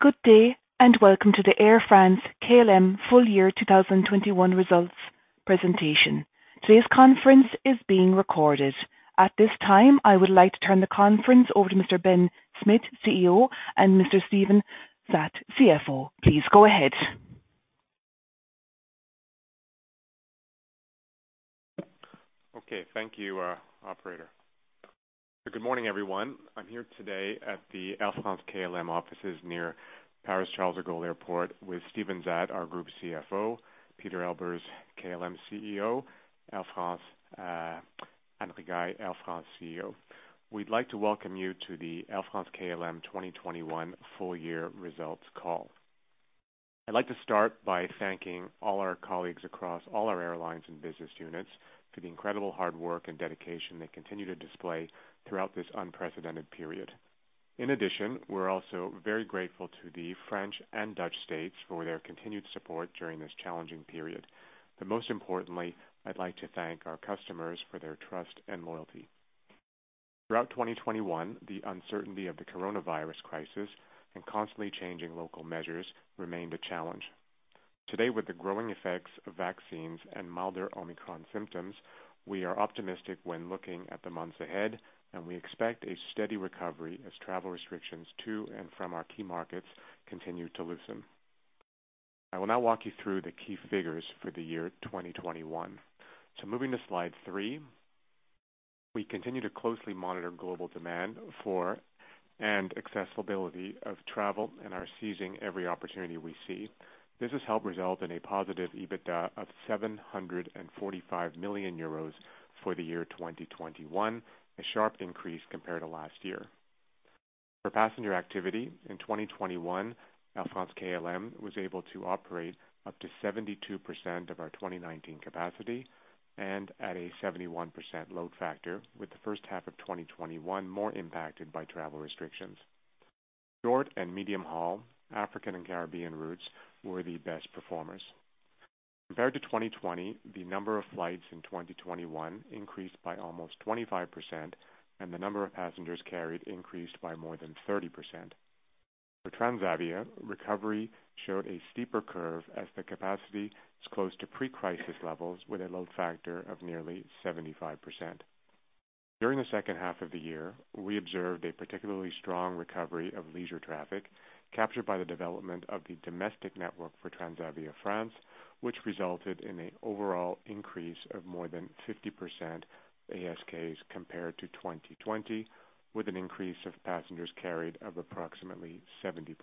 Good day, and welcome to the Air France-KLM full year 2021 results presentation. Today's conference is being recorded. At this time, I would like to turn the conference over to Mr. Ben Smith, CEO, and Mr. Steven Zaat, CFO. Please go ahead. Okay. Thank you, operator. Good morning, everyone. I'm here today at the Air France-KLM offices near Paris-Charles de Gaulle Airport with Steven Zaat, our Group CFO, Pieter Elbers, KLM CEO, Anne Rigail, Air France CEO. We'd like to welcome you to the Air France-KLM 2021 full year results call. I'd like to start by thanking all our colleagues across all our airlines and business units for the incredible hard work and dedication they continue to display throughout this unprecedented period. In addition, we're also very grateful to the French and Dutch states for their continued support during this challenging period. Most importantly, I'd like to thank our customers for their trust and loyalty. Throughout 2021, the uncertainty of the coronavirus crisis and constantly changing local measures remained a challenge. Today, with the growing effects of vaccines and milder Omicron symptoms, we are optimistic when looking at the months ahead, and we expect a steady recovery as travel restrictions to and from our key markets continue to loosen. I will now walk you through the key figures for the year 2021. Moving to slide three, we continue to closely monitor global demand for, and accessibility of travel and are seizing every opportunity we see. This has helped result in a positive EBITDA of 745 million euros for the year 2021, a sharp increase compared to last year. For passenger activity in 2021, Air France-KLM was able to operate up to 72% of our 2019 capacity and at a 71% load factor, with the first half of 2021 more impacted by travel restrictions. Short- and medium-haul, African and Caribbean routes were the best performers. Compared to 2020, the number of flights in 2021 increased by almost 25%, and the number of passengers carried increased by more than 30%. For Transavia, recovery showed a steeper curve as the capacity is close to pre-crisis levels with a load factor of nearly 75%. During the second half of the year, we observed a particularly strong recovery of leisure traffic captured by the development of the domestic network for Transavia France, which resulted in an overall increase of more than 50% ASKs compared to 2020, with an increase of passengers carried of approximately 70%.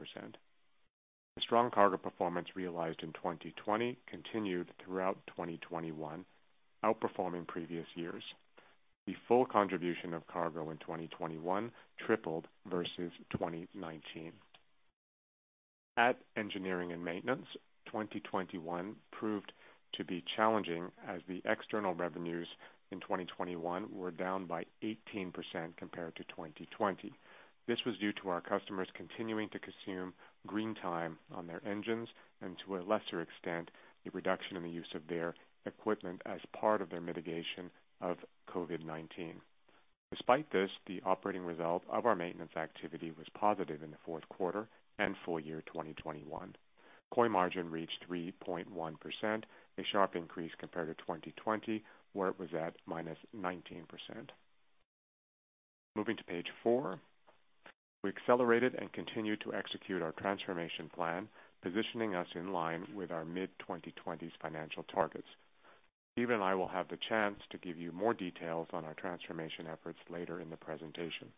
The strong cargo performance realized in 2020 continued throughout 2021, outperforming previous years. The full contribution of cargo in 2021 tripled versus 2019. At Engineering and Maintenance, 2021 proved to be challenging as the external revenues in 2021 were down by 18% compared to 2020. This was due to our customers continuing to consume green time on their engines and to a lesser extent, the reduction in the use of their equipment as part of their mitigation of COVID-19. Despite this, the operating result of our maintenance activity was positive in the fourth quarter and full year 2021. COI margin reached 3.1%, a sharp increase compared to 2020, where it was at -19%. Moving to page four. We accelerated and continued to execute our transformation plan, positioning us in line with our mid-2020s financial targets. Steven and I will have the chance to give you more details on our transformation efforts later in the presentation.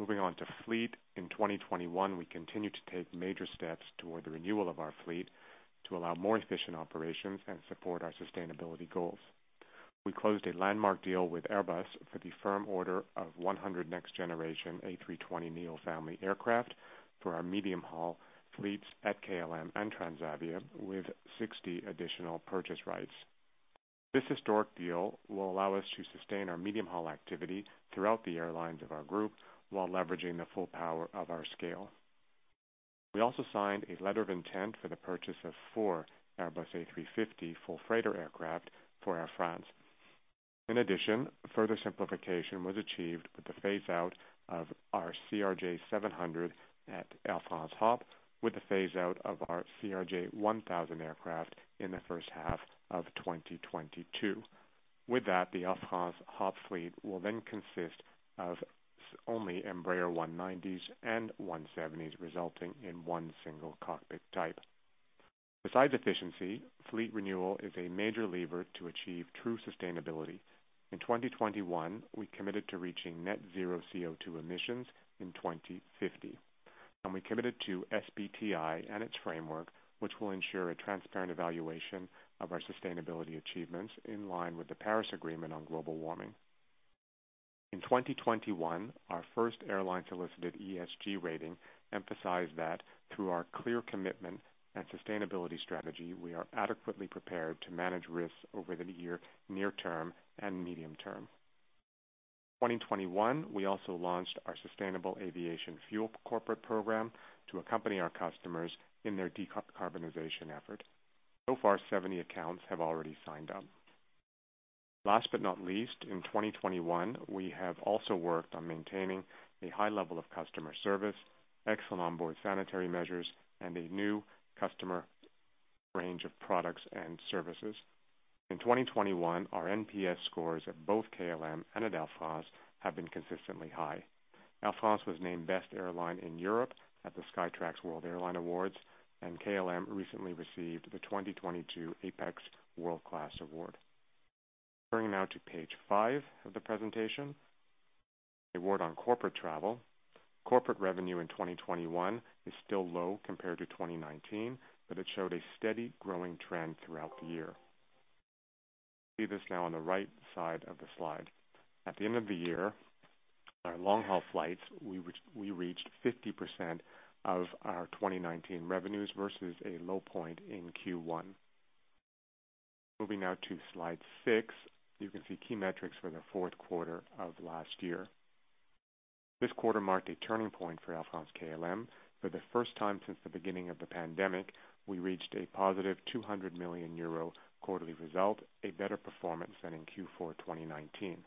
Moving on to fleet. In 2021, we continued to take major steps toward the renewal of our fleet to allow more efficient operations and support our sustainability goals. We closed a landmark deal with Airbus for the firm order of 100 next generation A320neo family aircraft for our medium haul fleets at KLM and Transavia with 60 additional purchase rights. This historic deal will allow us to sustain our medium haul activity throughout the airlines of our group while leveraging the full power of our scale. We also signed a letter of intent for the purchase of four Airbus A350 full freighter aircraft for Air France. In addition, further simplification was achieved with the phase out of our CRJ700 at Air France HOP with the phase out of our CRJ1000 aircraft in the first half of 2022. With that, the Air France HOP fleet will then consist of only Embraer 190s and 170s, resulting in one single cockpit type. Besides efficiency, fleet renewal is a major lever to achieve true sustainability. In 2021, we committed to reaching net zero CO2 emissions in 2050, and we committed to SBTi and its framework, which will ensure a transparent evaluation of our sustainability achievements in line with the Paris Agreement on global warming. In 2021, our first airline solicited ESG rating emphasized that through our clear commitment and sustainability strategy, we are adequately prepared to manage risks over the year, near term and medium term. In 2021, we also launched our sustainable aviation fuel corporate program to accompany our customers in their decarbonization effort. So far, 70 accounts have already signed up. Last but not least, in 2021, we have also worked on maintaining a high level of customer service, excellent onboard sanitary measures, and a new customer range of products and services. In 2021, our NPS scores at both KLM and at Air France have been consistently high. Air France was named best airline in Europe at the Skytrax World Airline Awards, and KLM recently received the 2022 APEX World Class Award. Turning now to page five of the presentation. A word on corporate travel. Corporate revenue in 2021 is still low compared to 2019, but it showed a steady growing trend throughout the year. See this now on the right side of the slide. At the end of the year, our long-haul flights, we reached 50% of our 2019 revenues versus a low point in Q1. Moving now to slide six. You can see key metrics for the fourth quarter of last year. This quarter marked a turning point for Air France-KLM. For the first time since the beginning of the pandemic, we reached a positive 200 million euro quarterly result, a better performance than in Q4 2019.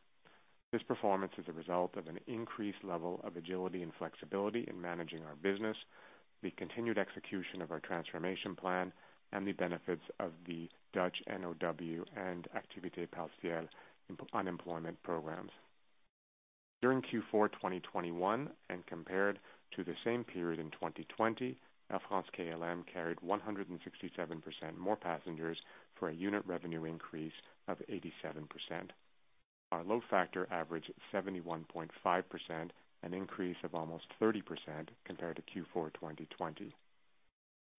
This performance is a result of an increased level of agility and flexibility in managing our business, the continued execution of our transformation plan, and the benefits of the Dutch NOW and Activité Partielle unemployment programs. During Q4 2021, and compared to the same period in 2020, Air France-KLM carried 167% more passengers for a unit revenue increase of 87%. Our load factor averaged 71.5%, an increase of almost 30% compared to Q4 2020.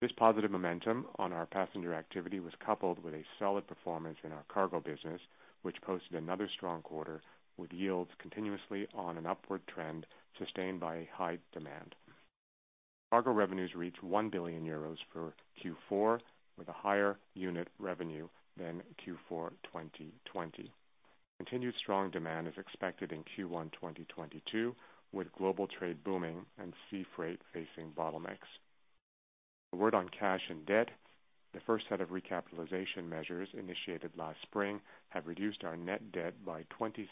This positive momentum on our passenger activity was coupled with a solid performance in our cargo business, which posted another strong quarter with yields continuously on an upward trend sustained by high demand. Cargo revenues reached 1 billion euros for Q4, with a higher unit revenue than Q4 2020. Continued strong demand is expected in Q1 2022, with global trade booming and sea freight facing bottlenecks. A word on cash and debt. The first set of recapitalization measures initiated last spring have reduced our net debt by 26%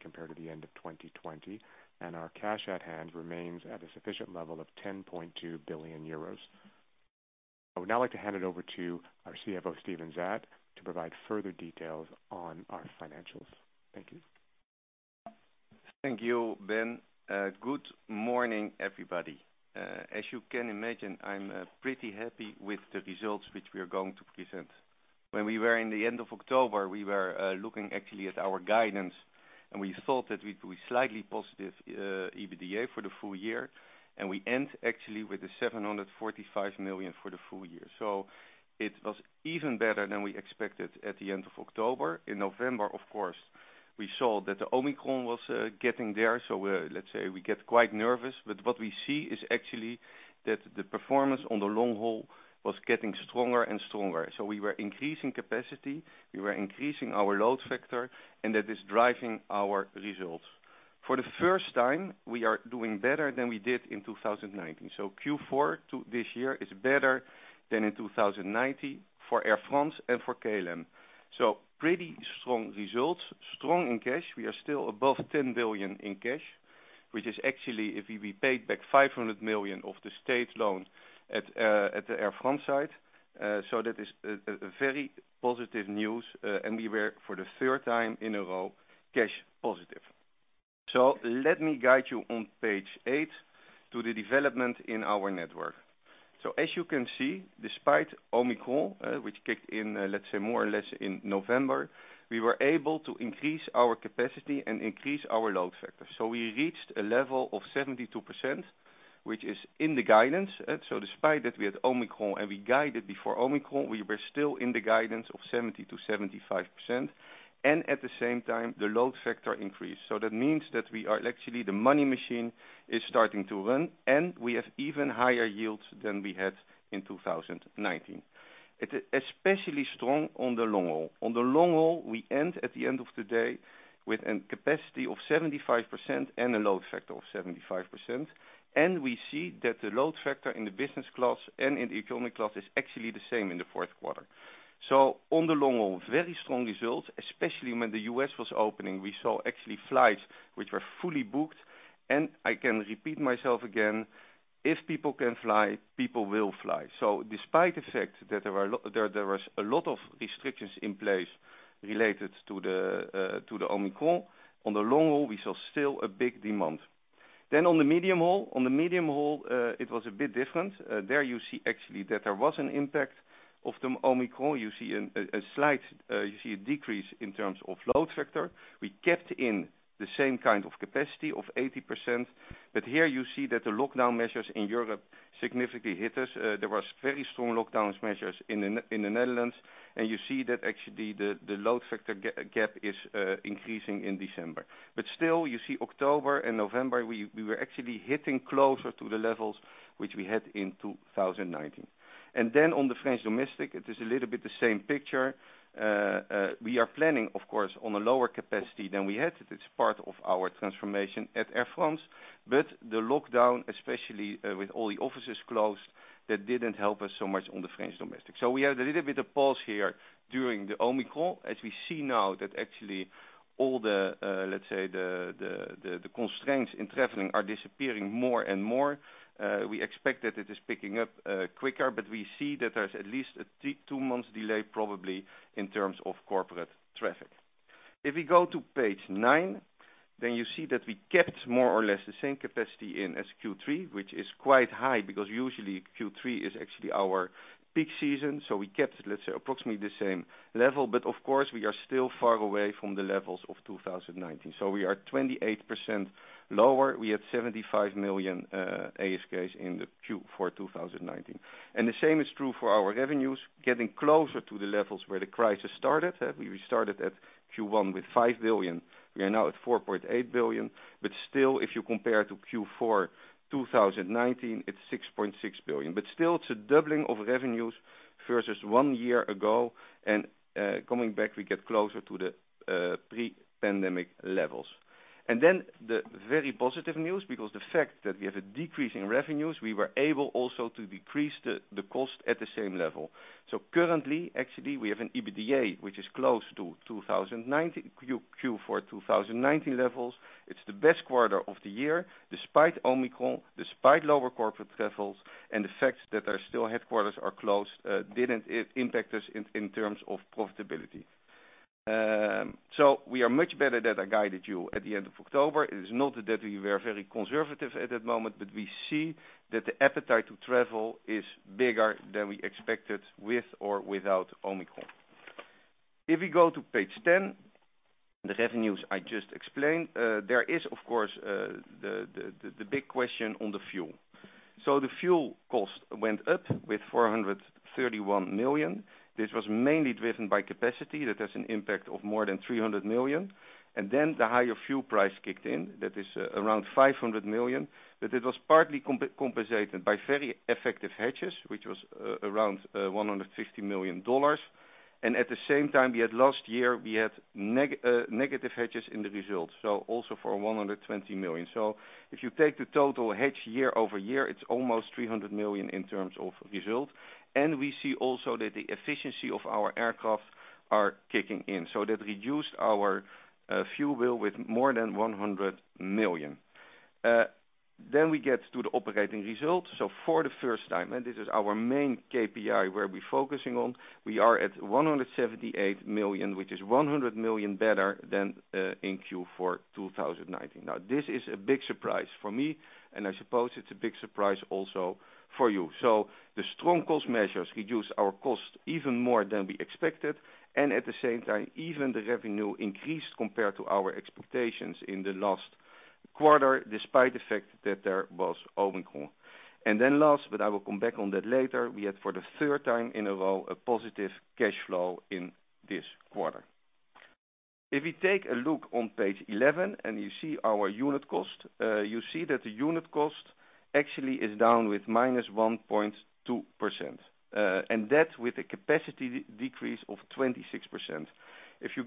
compared to the end of 2020, and our cash at hand remains at a sufficient level of 10.2 billion euros. I would now like to hand it over to our CFO, Steven Zaat, to provide further details on our financials. Thank you. Thank you, Ben. Good morning, everybody. As you can imagine, I'm pretty happy with the results which we are going to present. When we were at the end of October, we were looking actually at our guidance, and we thought that we'd be slightly positive EBITDA for the full year, and we end actually with 745 million for the full year. It was even better than we expected at the end of October. In November, of course, we saw that Omicron was getting there, let's say we get quite nervous. But what we see is actually that the performance on the long haul was getting stronger and stronger. We were increasing capacity, we were increasing our load factor, and that is driving our results. For the first time, we are doing better than we did in 2019. Q4 to this year is better than in 2019 for Air France and for KLM. Pretty strong results. Strong in cash. We are still above 10 billion in cash, which is actually we paid back 500 million of the state loan at the Air France side. That is a very positive news. We were for the third time in a row cash positive. Let me guide you on page eight to the development in our network. As you can see, despite Omicron, which kicked in, let's say more or less in November, we were able to increase our capacity and increase our load factor. We reached a level of 72%, which is in the guidance. Despite that we had Omicron, and we guided before Omicron, we were still in the guidance of 70%-75%. At the same time, the load factor increased. That means that we are actually, the money machine is starting to run, and we have even higher yields than we had in 2019. It is especially strong on the long haul. On the long haul, we end, at the end of the day, with a capacity of 75% and a load factor of 75%. We see that the load factor in the business class and in the economy class is actually the same in the fourth quarter. On the long haul, very strong results, especially when the U.S. was opening, we saw actually flights which were fully booked. I can repeat myself again, if people can fly, people will fly. Despite the fact that there was a lot of restrictions in place related to the Omicron, on the long haul, we saw still a big demand. On the medium haul, it was a bit different. There you see actually that there was an impact of the Omicron. You see a slight decrease in terms of load factor. We kept in the same kind of capacity of 80%, but here you see that the lockdown measures in Europe significantly hit us. There was very strong lockdown measures in the Netherlands, and you see that actually the load factor gap is increasing in December. Still, you see October and November, we were actually hitting closer to the levels which we had in 2019. Then on the French domestic, it is a little bit the same picture. We are planning, of course, on a lower capacity than we had. It's part of our transformation at Air France. The lockdown, especially, with all the offices closed, that didn't help us so much on the French domestic. We had a little bit of pause here during the Omicron. As we see now that actually all the, let's say the constraints in traveling are disappearing more and more, we expect that it is picking up quicker, but we see that there's at least a two months delay probably in terms of corporate traffic. If you go to page nine, you see that we kept more or less the same capacity in Q3, which is quite high because usually Q3 is actually our peak season. We kept, let's say, approximately the same level. Of course, we are still far away from the levels of 2019. We are 28% lower. We had 75 million ASKs in Q3 for 2019. The same is true for our revenues, getting closer to the levels where the crisis started. We started at Q1 with 5 billion. We are now at 4.8 billion. Still, if you compare to Q4 2019, it's 6.6 billion. Still, it's a doubling of revenues versus one year ago, and coming back, we get closer to the pre-pandemic levels. The very positive news, because the fact that we have a decrease in revenues, we were able also to decrease the cost at the same level. Currently, actually, we have an EBITDA which is close to 2019 Q4 2019 levels. It's the best quarter of the year, despite Omicron, despite lower corporate travels, and the fact that our headquarters are still closed. It did not impact us in terms of profitability. We are much better than I guided you at the end of October. It is not that we were very conservative at that moment, but we see that the appetite to travel is bigger than we expected with or without Omicron. If you go to page 10, the revenues I just explained, there is of course the big question on the fuel. The fuel cost went up with 431 million. This was mainly driven by capacity that has an impact of more than 300 million. The higher fuel price kicked in. That is around 500 million. It was partly compensated by very effective hedges, which was around $150 million. At the same time, last year we had negative hedges in the results, so also for 120 million. If you take the total hedge year-over-year, it's almost 300 million in terms of results. We see also that the efficiency of our aircraft are kicking in. That reduced our fuel bill with more than 100 million. We get to the operating results. For the first time, and this is our main KPI where we're focusing on, we are at 178 million, which is 100 million better than in Q4 2019. Now, this is a big surprise for me, and I suppose it's a big surprise also for you. The strong cost measures reduced our cost even more than we expected, and at the same time, even the revenue increased compared to our expectations in the last quarter, despite the fact that there was Omicron. Then last, but I will come back on that later, we had for the third time in a row a positive cash flow in this quarter. If you take a look on page 11 and you see our unit cost, you see that the unit cost actually is down with -1.2%, and that with a capacity decrease of 26%. If you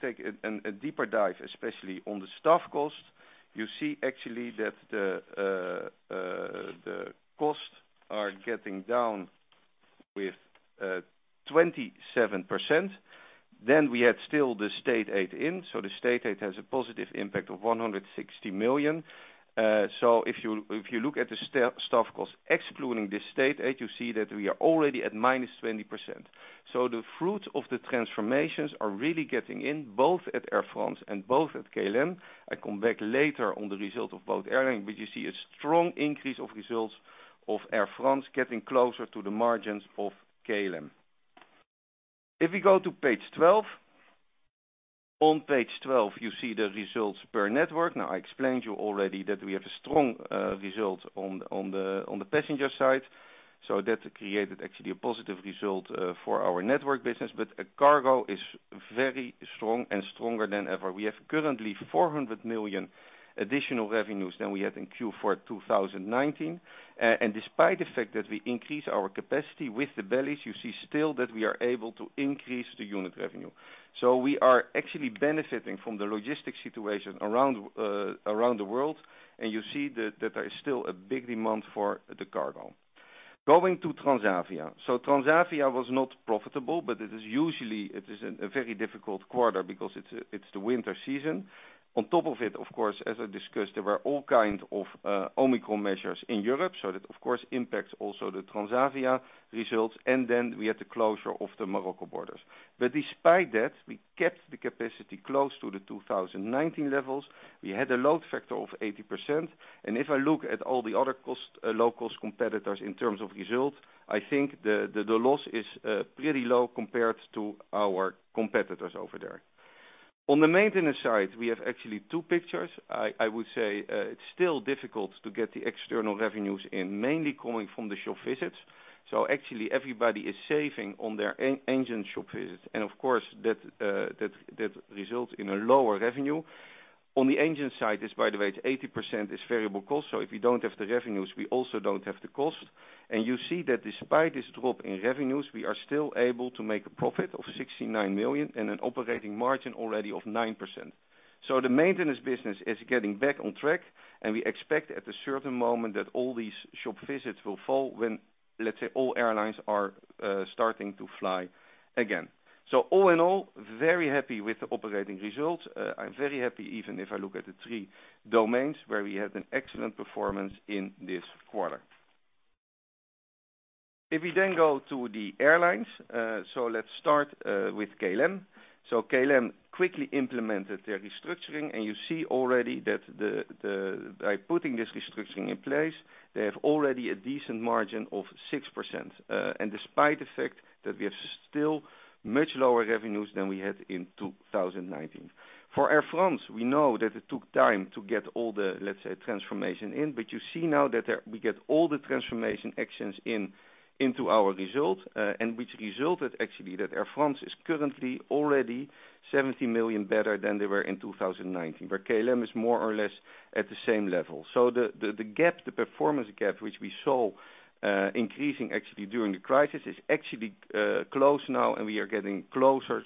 take a deeper dive, especially on the staff cost, you see actually that the costs are getting down with 27%. We had still the state aid in. The state aid has a positive impact of 160 million. If you look at the staff costs, excluding the state aid, you see that we are already at -20%. The fruits of the transformations are really getting in, both at Air France and both at KLM. I come back later on the result of both airlines, but you see a strong increase of results of Air France getting closer to the margins of KLM. If you go to page 12, you see the results per network. Now, I explained to you already that we have a strong result on the passenger side. That created actually a positive result for our network business. Cargo is very strong and stronger than ever. We have currently 400 million additional revenues than we had in Q4 2019. Despite the fact that we increase our capacity with the bellies, you see still that we are able to increase the unit revenue. We are actually benefiting from the logistics situation around the world, and you see that there is still a big demand for the cargo. Going to Transavia. Transavia was not profitable, but it is usually a very difficult quarter because it's the winter season. On top of it, of course, as I discussed, there were all kinds of Omicron measures in Europe, so that of course impacts also the Transavia results. Then we had the closure of the Morocco borders. Despite that, we kept the capacity close to the 2019 levels. We had a load factor of 80%. If I look at all the other low-cost competitors in terms of results, I think the loss is pretty low compared to our competitors over there. On the maintenance side, we have actually two pictures. I would say it's still difficult to get the external revenues in, mainly coming from the shop visits. Actually everybody is saving on their engine shop visits. Of course that results in a lower revenue. On the engine side, by the way, 80% is variable cost. If you don't have the revenues, we also don't have the cost. You see that despite this drop in revenues, we are still able to make a profit of 69 million and an operating margin already of 9%. The maintenance business is getting back on track and we expect at a certain moment that all these shop visits will fall when, let's say, all airlines are starting to fly again. All in all, very happy with the operating results. I'm very happy, even if I look at the three domains where we have an excellent performance in this quarter. If we then go to the airlines, let's start with KLM. KLM quickly implemented their restructuring, and you see already that by putting this restructuring in place, they have already a decent margin of 6%, and despite the fact that we have still much lower revenues than we had in 2019. For Air France, we know that it took time to get all the, let's say, transformation in. You see now that we get all the transformation actions in, into our results, and which resulted actually that Air France is currently already 70 million better than they were in 2019, where KLM is more or less at the same level. The gap, the performance gap, which we saw increasing actually during the crisis, is actually close now, and we are getting closer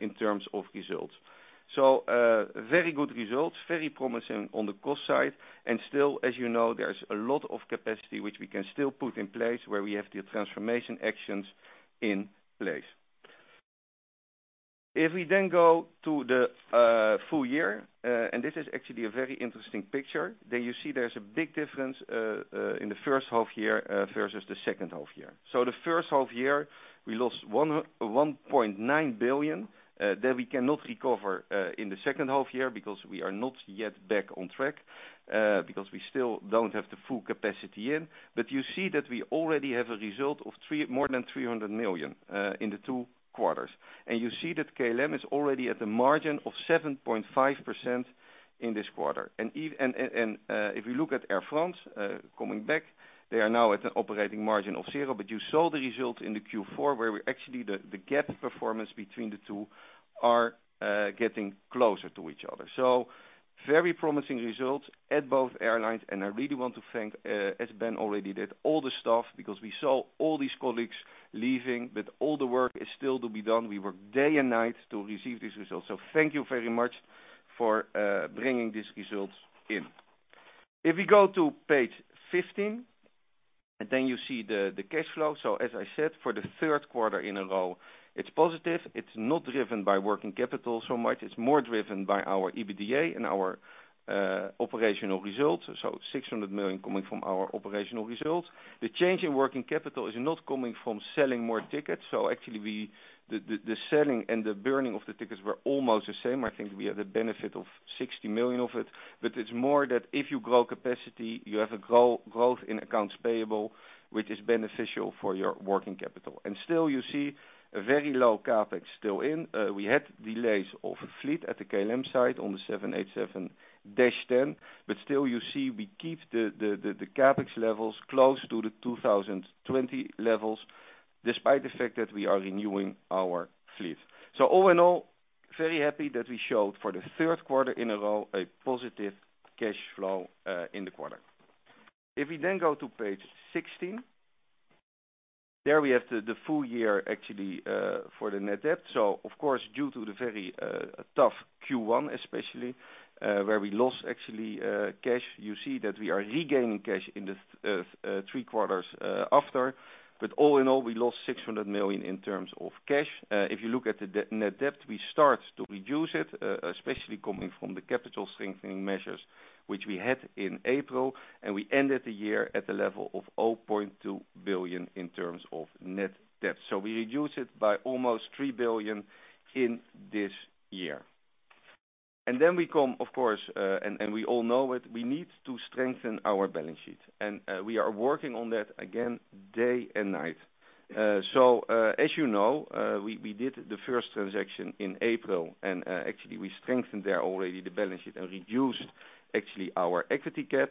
in terms of results. Very good results, very promising on the cost side. Still, as you know, there's a lot of capacity which we can still put in place where we have the transformation actions in place. If we then go to the full year, and this is actually a very interesting picture, there you see there's a big difference in the first half year versus the second half year. The first half year we lost 1.9 billion that we cannot recover in the second half year because we are not yet back on track because we still don't have the full capacity in. You see that we already have a result of more than 300 million in the two quarters. You see that KLM is already at the margin of 7.5% in this quarter. If you look at Air France coming back, they are now at an operating margin of 0%. You saw the results in the Q4 where we actually the performance gap between the two are getting closer to each other. Very promising results at both airlines. I really want to thank, as Ben already did, all the staff, because we saw all these colleagues leaving, but all the work is still to be done. We work day and night to receive these results. Thank you very much for bringing these results in. If we go to page 15, you see the cash flow. As I said, for the third quarter in a row, it's positive. It's not driven by working capital so much. It's more driven by our EBITDA and our operational results. 600 million coming from our operational results. The change in working capital is not coming from selling more tickets. Actually, the selling and the burning of the tickets were almost the same. I think we had the benefit of 60 million of it. It's more that if you grow capacity, you have a growth in accounts payable, which is beneficial for your working capital. Still you see a very low CapEx still in. We had delays of fleet at the KLM side on the 787-10. Still you see we keep the CapEx levels close to the 2020 levels despite the fact that we are renewing our fleet. All in all, very happy that we showed for the third quarter in a row a positive cash flow in the quarter. If we then go to page 16, there we have the full year actually for the net debt. Of course, due to the very tough Q1 especially, where we lost actually cash, you see that we are regaining cash in the three quarters after. All in all we lost 600 million in terms of cash. If you look at the net debt, we start to reduce it, especially coming from the capital strengthening measures which we had in April, and we ended the year at the level of 0.2 billion in terms of net debt. We reduce it by almost 3 billion in this year. We come, of course, and we all know it, we need to strengthen our balance sheet. We are working on that again day and night. As you know, we did the first transaction in April, and actually we strengthened there already the balance sheet and reduced actually our equity gap.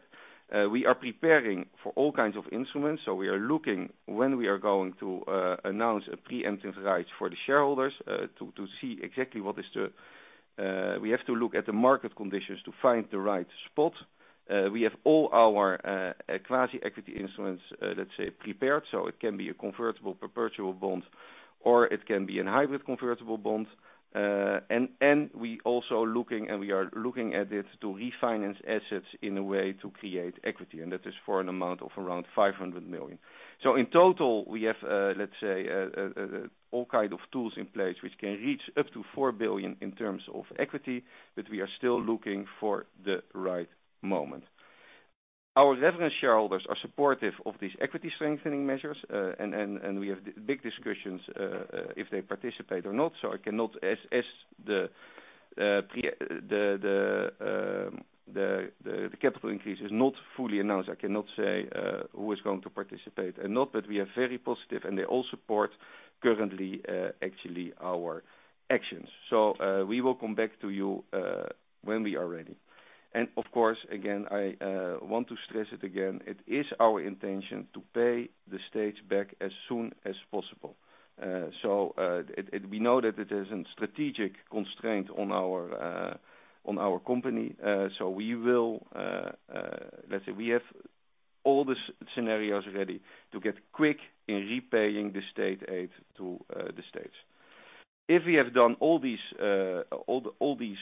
We are preparing for all kinds of instruments, so we are looking when we are going to announce a preemptive right for the shareholders to see exactly, we have to look at the market conditions to find the right spot. We have all our quasi-equity instruments, let's say, prepared, so it can be a convertible perpetual bond, or it can be a hybrid convertible bond. We are also looking at it to refinance assets in a way to create equity, and that is for an amount of around 500 million. In total, we have, let's say, all kinds of tools in place which can reach up to 4 billion in terms of equity, but we are still looking for the right moment. Our reference shareholders are supportive of these equity strengthening measures. We have big discussions if they participate or not, so I cannot, as the capital increase is not fully announced, say who is going to participate and not, but we are very positive and they all support currently actually our actions. We will come back to you when we are ready. Of course, again, I want to stress it again, it is our intention to pay the states back as soon as possible. We know that it is a strategic constraint on our company, so, let's say we have all the scenarios ready to get quick in repaying the state aid to the states. If we have done all these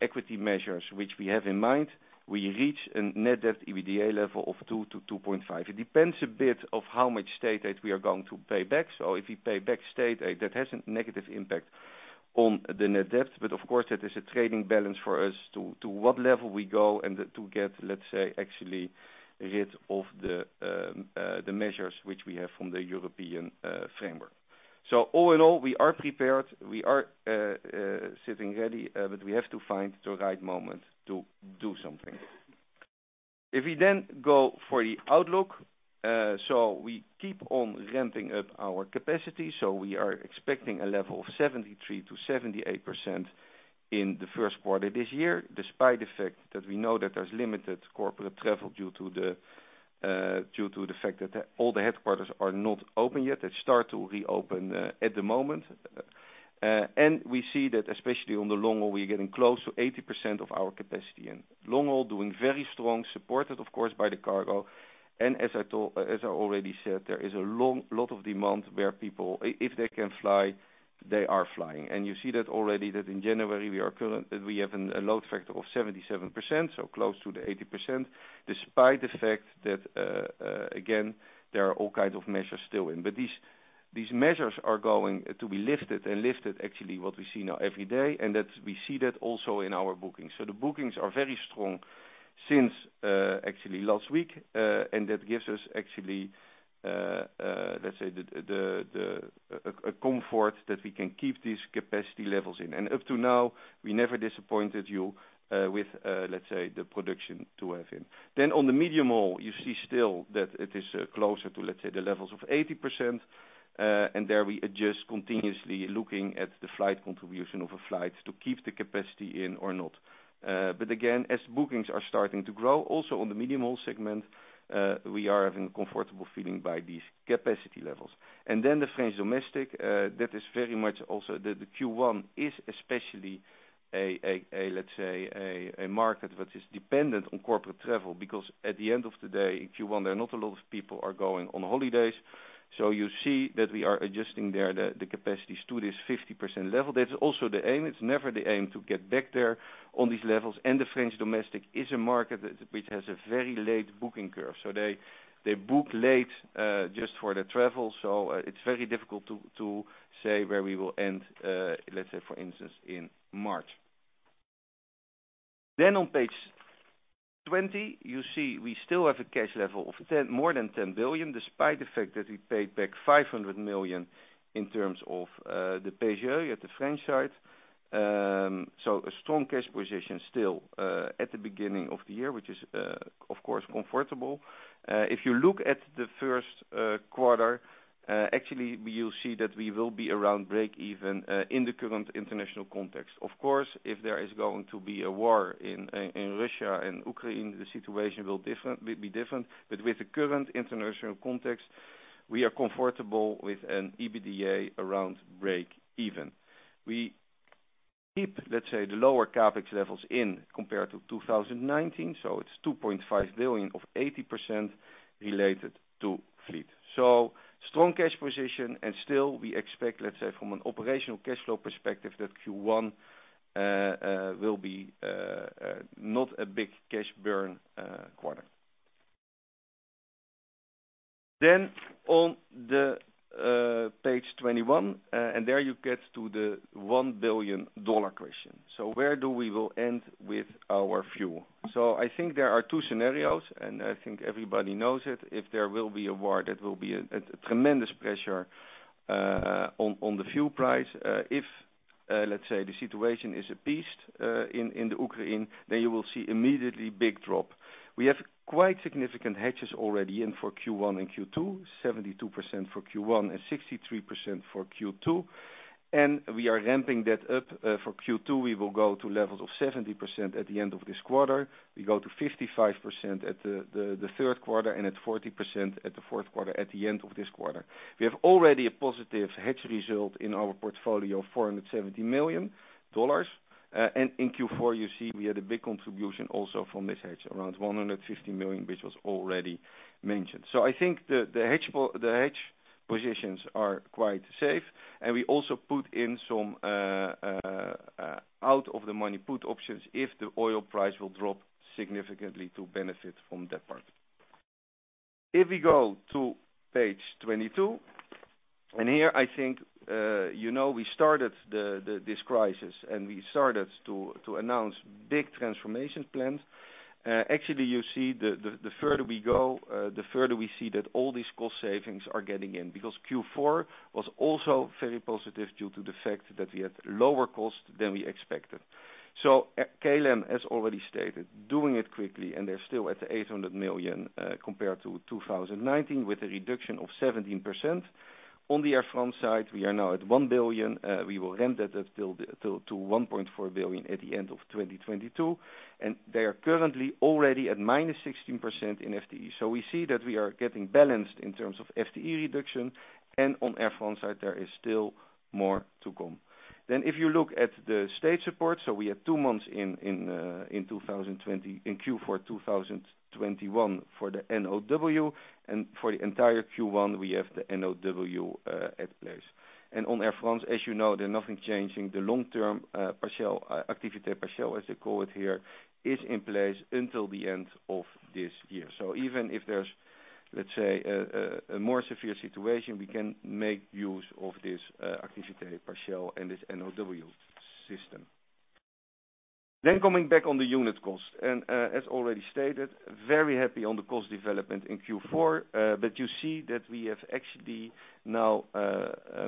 equity measures which we have in mind, we reach a net debt EBITDA level of 2%-2.5%. It depends a bit on how much state aid we are going to pay back. If we pay back state aid, that has a negative impact on the net debt. Of course, that is a trading balance for us to what level we go and to get, let's say, actually rid of the measures which we have from the European framework. All in all, we are prepared. We are sitting ready, but we have to find the right moment to do something. If we then go for the outlook, we keep on ramping up our capacity. We are expecting a level of 73%-78% in the first quarter this year, despite the fact that we know that there's limited corporate travel due to the fact that all the headquarters are not open yet. They start to reopen at the moment. We see that especially on the long haul, we're getting close to 80% of our capacity. Long haul doing very strong, supported of course by the cargo. As I already said, there is a lot of demand where people, if they can fly, they are flying. You see that already in January, we have a load factor of 77%, so close to the 80%, despite the fact that again, there are all kinds of measures still in. These measures are going to be lifted actually what we see now every day. That we see that also in our bookings. The bookings are very strong since actually last week, and that gives us actually let's say a comfort that we can keep these capacity levels in. Up to now, we never disappointed you with let's say the production to have in. On the medium haul, you see still that it is closer to let's say the levels of 80%, and there we adjust continuously looking at the flight contribution of a flight to keep the capacity in or not. Again, as bookings are starting to grow, also on the medium haul segment, we are having a comfortable feeling by these capacity levels. The French domestic, that is very much also the Q1 is especially a let's say a market that is dependent on corporate travel, because at the end of the day, in Q1, there not a lot of people are going on holidays. You see that we are adjusting there the capacities to this 50% level. That's also the aim. It's never the aim to get back there on these levels. The French domestic is a market that which has a very late booking curve. They book late just for the travel. It's very difficult to say where we will end, let's say for instance, in March. On page 20, you see we still have a cash level of more than 10 billion, despite the fact that we paid back 500 million in terms of the PGE on the French side. So a strong cash position still at the beginning of the year, which is of course comfortable. If you look at the first quarter, actually you'll see that we will be around break even in the current international context. Of course, if there is going to be a war in Russia and Ukraine, the situation will be different. But with the current international context, we are comfortable with an EBITDA around break even. We keep, let's say, the lower CapEx levels as compared to 2019. So it's 2.5 billion of 80% related to fleet. Strong cash position, and still we expect, let's say, from an operational cash flow perspective, that Q1 will be not a big cash burn quarter. On the page 21, and there you get to the $1 billion question. Where will we end with our fuel? I think there are two scenarios, and I think everybody knows it. If there will be a war, that will be a tremendous pressure on the fuel price. If, let's say, the situation is appeased in the Ukraine, then you will see immediately big drop. We have quite significant hedges already in for Q1 and Q2, 72% for Q1 and 63% for Q2. We are ramping that up, for Q2, we will go to levels of 70% at the end of this quarter. We go to 55% at the third quarter, and at 40% at the fourth quarter, at the end of this quarter. We have already a positive hedge result in our portfolio of $470 million. In Q4 you see we had a big contribution also from this hedge, around $150 million, which was already mentioned. I think the hedge positions are quite safe. We also put in some out of the money put options if the oil price will drop significantly to benefit from that part. If we go to page 22, and here I think, you know, we started this crisis, and we started to announce big transformation plans. Actually, you see the further we go, the further we see that all these cost savings are getting in, because Q4 was also very positive due to the fact that we had lower costs than we expected. KLM, as already stated, doing it quickly, and they're still at 800 million compared to 2019, with a reduction of 17%. On the Air France side, we are now at 1 billion, we will ramp that up till to 1.4 billion at the end of 2022. They are currently already at -16% in FTE. We see that we are getting balanced in terms of FTE reduction and on Air France side, there is still more to come. If you look at the state support, we have two months in 2020 in Q4 2021 for the NOW, and for the entire Q1, we have the NOW in place. On Air France, as you know, there's nothing changing. The long-term partial Activité Partielle, as they call it here, is in place until the end of this year. Even if there's, let's say a more severe situation, we can make use of this Activité Partielle and this NOW system. Coming back on the unit cost. As already stated, very happy on the cost development in Q4. You see that we have actually now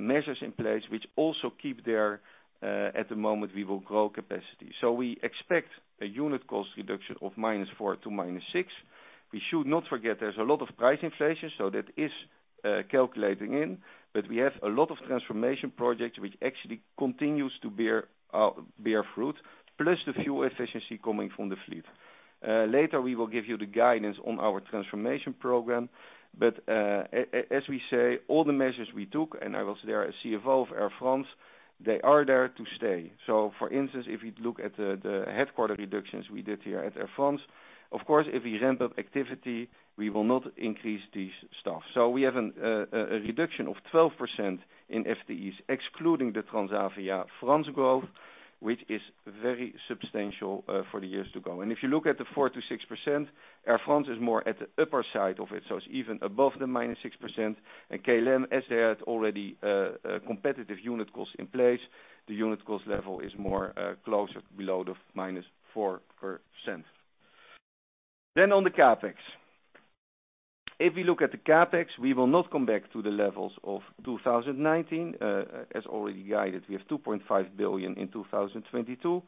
measures in place which also keep their at the moment we will grow capacity. We expect a unit cost reduction of -4% to -6%. We should not forget there's a lot of price inflation, so that is calculating in. We have a lot of transformation projects which actually continues to bear fruit, plus the fuel efficiency coming from the fleet. Later we will give you the guidance on our transformation program. As we say, all the measures we took, and I was there as CFO of Air France, they are there to stay. For instance, if you look at the headquarters reductions we did here at Air France. Of course, if we ramp up activity, we will not increase these staff. We have a reduction of 12% in FTEs, excluding the Transavia France growth, which is very substantial for the years to go. If you look at the -4% to -6%, Air France is more at the upper side of it, so it's even above the -6%. KLM, as they had already competitive unit costs in place, the unit cost level is more closer below the -4%. On the CapEx. If we look at the CapEx, we will not come back to the levels of 2019. As already guided, we have 2.5 billion in 2022.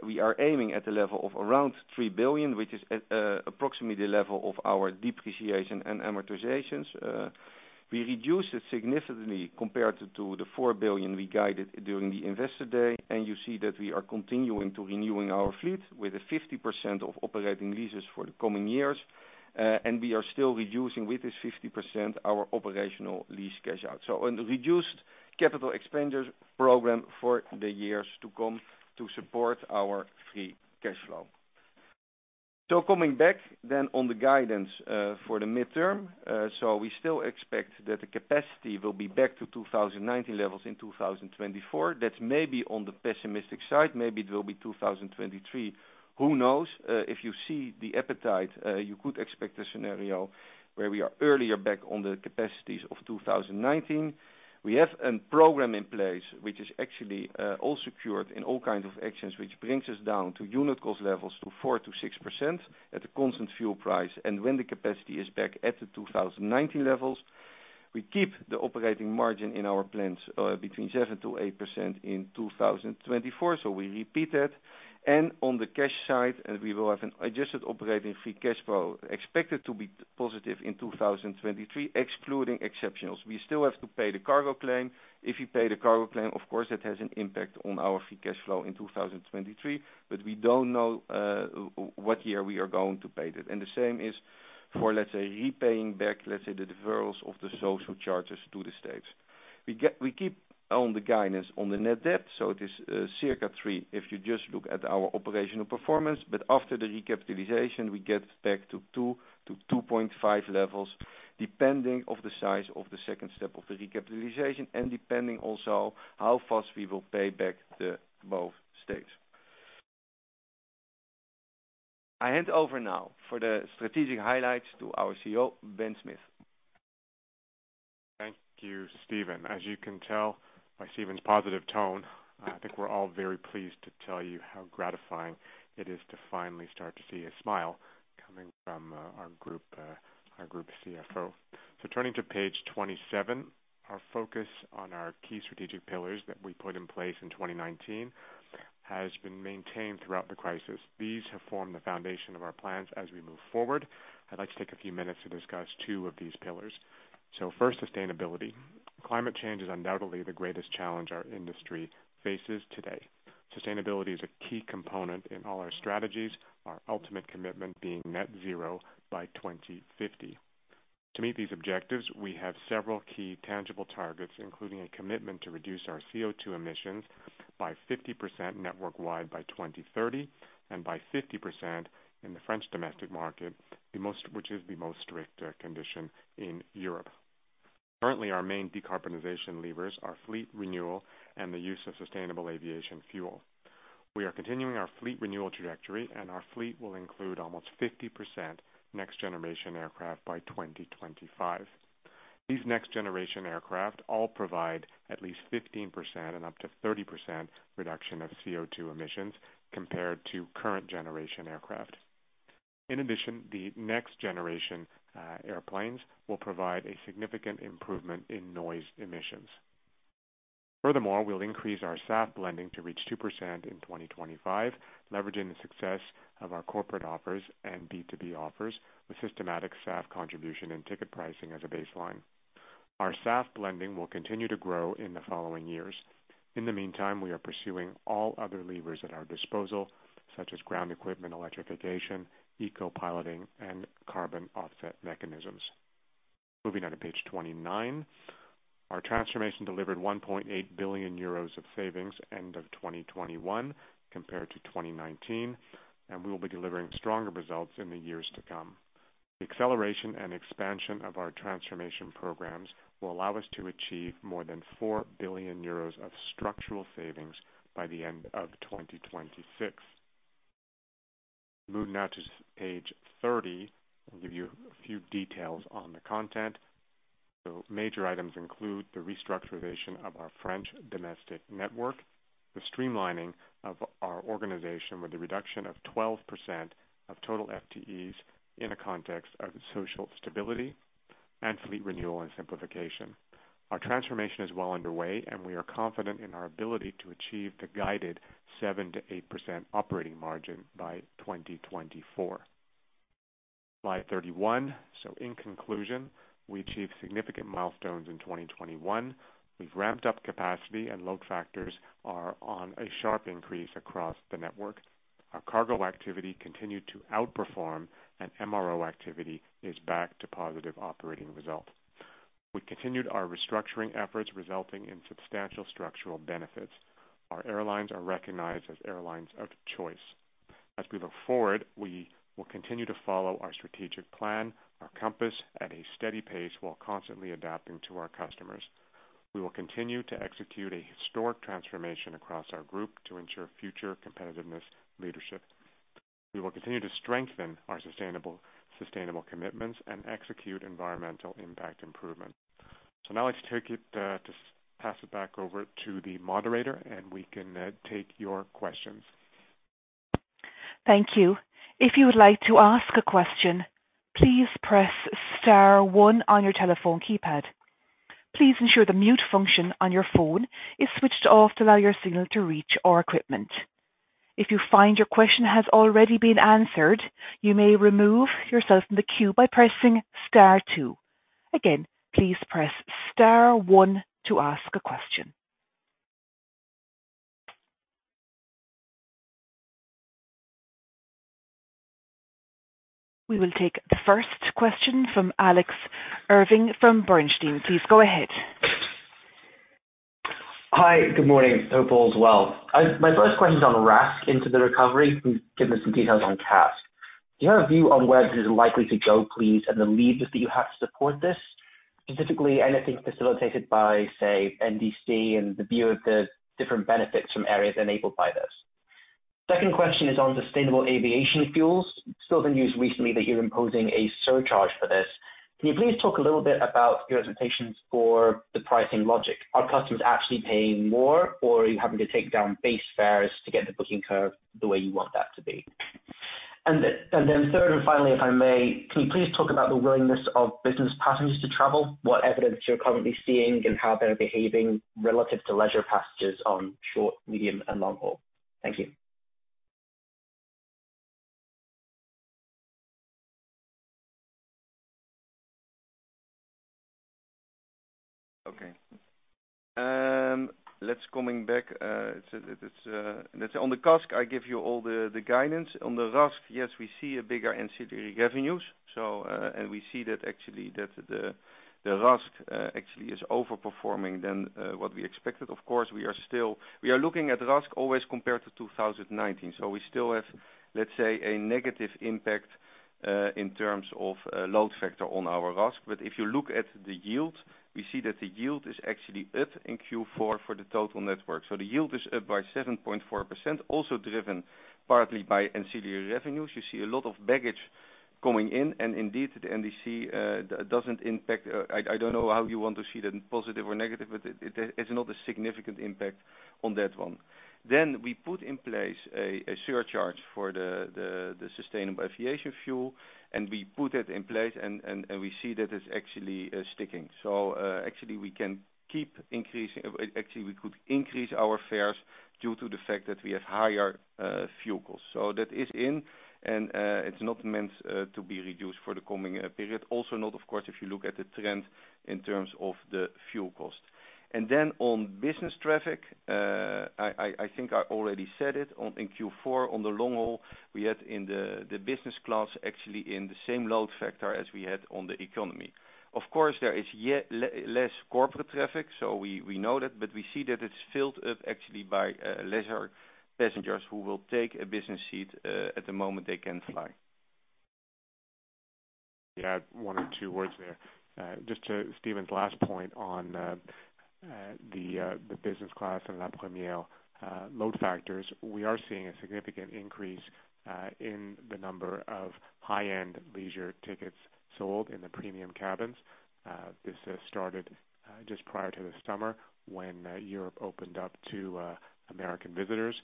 We are aiming at a level of around 3 billion, which is at approximately the level of our depreciation and amortizations. We reduce it significantly compared to the 4 billion we guided during the investor day. You see that we are continuing to renewing our fleet with 50% of operating leases for the coming years. We are still reducing with this 50% our operational lease cash out. On the reduced capital expenditures program for the years to come to support our free cash flow. Coming back then on the guidance for the midterm. We still expect that the capacity will be back to 2019 levels in 2024. That's maybe on the pessimistic side, maybe it will be 2023. Who knows? If you see the appetite, you could expect a scenario where we are earlier back on the capacities of 2019. We have a program in place, which is actually all secured in all kinds of actions, which brings us down to unit cost levels to 4%-6% at a constant fuel price. When the capacity is back at the 2019 levels, we keep the operating margin in our plans between 7%-8% in 2024. We repeat that. On the cash side, we will have an adjusted operating free cash flow expected to be positive in 2023, excluding exceptionals. We still have to pay the cargo claim. If you pay the cargo claim, of course, that has an impact on our free cash flow in 2023, but we don't know what year we are going to pay that. The same is for, let's say, repaying back, let's say the deferrals of the social charges to the states. We keep on the guidance on the net debt, so it is circa 3 if you just look at our operational performance. But after the recapitalization, we get back to 2%-2.5% levels, depending on the size of the second step of the recapitalization and depending also on how fast we will pay back both states. I hand over now for the strategic highlights to our CEO, Ben Smith. Thank you, Steven. As you can tell by Steven's positive tone, I think we're all very pleased to tell you how gratifying it is to finally start to see a smile coming from our group CFO. Turning to page 27, our focus on our key strategic pillars that we put in place in 2019 has been maintained throughout the crisis. These have formed the foundation of our plans as we move forward. I'd like to take a few minutes to discuss two of these pillars. First, sustainability. Climate change is undoubtedly the greatest challenge our industry faces today. Sustainability is a key component in all our strategies, our ultimate commitment being net zero by 2050. To meet these objectives, we have several key tangible targets, including a commitment to reduce our CO2 emissions by 50% network wide by 2030, and by 50% in the French domestic market, the most strict condition in Europe. Currently, our main decarbonization levers are fleet renewal and the use of sustainable aviation fuel. We are continuing our fleet renewal trajectory, and our fleet will include almost 50% next generation aircraft by 2025. These next generation aircraft all provide at least 15% and up to 30% reduction of CO2 emissions compared to current generation aircraft. In addition, the next generation airplanes will provide a significant improvement in noise emissions. Furthermore, we'll increase our SAF blending to reach 2% in 2025, leveraging the success of our corporate offers and B2B offers with systematic SAF contribution and ticket pricing as a baseline. Our SAF blending will continue to grow in the following years. In the meantime, we are pursuing all other levers at our disposal, such as ground equipment, electrification, eco-piloting, and carbon offset mechanisms. Moving on to page 29. Our transformation delivered 1.8 billion euros of savings end of 2021 compared to 2019, and we will be delivering stronger results in the years to come. The acceleration and expansion of our transformation programs will allow us to achieve more than 4 billion euros of structural savings by the end of 2026. Moving now to page 30. I'll give you a few details on the content. Major items include the restructuring of our French domestic network, the streamlining of our organization with the reduction of 12% of total FTEs in a context of social stability, and fleet renewal and simplification. Our transformation is well underway, and we are confident in our ability to achieve the guided 7%-8% operating margin by 2024. Slide 31. In conclusion, we achieved significant milestones in 2021. We've ramped up capacity and load factors are on a sharp increase across the network. Our cargo activity continued to outperform and MRO activity is back to positive operating results. We continued our restructuring efforts, resulting in substantial structural benefits. Our airlines are recognized as airlines of choice. As we look forward, we will continue to follow our strategic plan, our compass, at a steady pace while constantly adapting to our customers. We will continue to execute a historic transformation across our group to ensure future competitiveness leadership. We will continue to strengthen our sustainable commitments and execute environmental impact improvement. Now let's take it, just pass it back over to the moderator, and we can take your questions. Thank you. If you would like to ask a question, please press star one on your telephone keypad. Please ensure the mute function on your phone is switched off to allow your signal to reach our equipment. If you find your question has already been answered, you may remove yourself from the queue by pressing star two. Again, please press star one to ask a question. We will take the first question from Alex Irving from Bernstein. Please go ahead. Hi. Good morning. I hope all is well. My first question is on RASK into the recovery. Can you give me some details on CASK? Do you have a view on where this is likely to go, please, and the levers that you have to support this? Specifically, anything facilitated by, say, NDC and the view of the different benefits from areas enabled by this. Second question is on sustainable aviation fuels. Saw the news recently that you're imposing a surcharge for this. Can you please talk a little bit about your expectations for the pricing logic? Are customers actually paying more, or are you having to take down base fares to get the booking curve the way you want that to be? Third, and finally, if I may, can you please talk about the willingness of business passengers to travel, what evidence you're currently seeing and how they're behaving relative to leisure passengers on short, medium, and long haul? Thank you. Okay, let's come back. On the CASK, I give you all the guidance. On the RASK, yes, we see a bigger NDC revenues. We see that actually the RASK actually is overperforming than what we expected. Of course, we are still looking at RASK always compared to 2019, so we still have, let's say, a negative impact in terms of load factor on our RASK. If you look at the yield, we see that the yield is actually up in Q4 for the total network. The yield is up by 7.4%, also driven partly by NDC revenues. You see a lot of baggage coming in, and indeed the NDC doesn't impact. I don't know how you want to see that, positive or negative, but it's not a significant impact on that one. We put in place a surcharge for the sustainable aviation fuel, and we see that it's actually sticking. Actually we can keep increasing. Actually, we could increase our fares due to the fact that we have higher fuel costs. That is in, and it's not meant to be reduced for the coming period. Also note, of course, if you look at the trend in terms of the fuel cost. On business traffic, I think I already said it. In Q4, on the long haul, we had in the business class actually in the same load factor as we had on the economy. Of course, there is less corporate traffic, so we know that, but we see that it's filled up actually by leisure passengers who will take a business seat at the moment they can fly. Yeah. One or two words there. Just to Steven's last point on the business class and La Première load factors. We are seeing a significant increase in the number of high-end leisure tickets sold in the premium cabins. This has started just prior to the summer when Europe opened up to American visitors.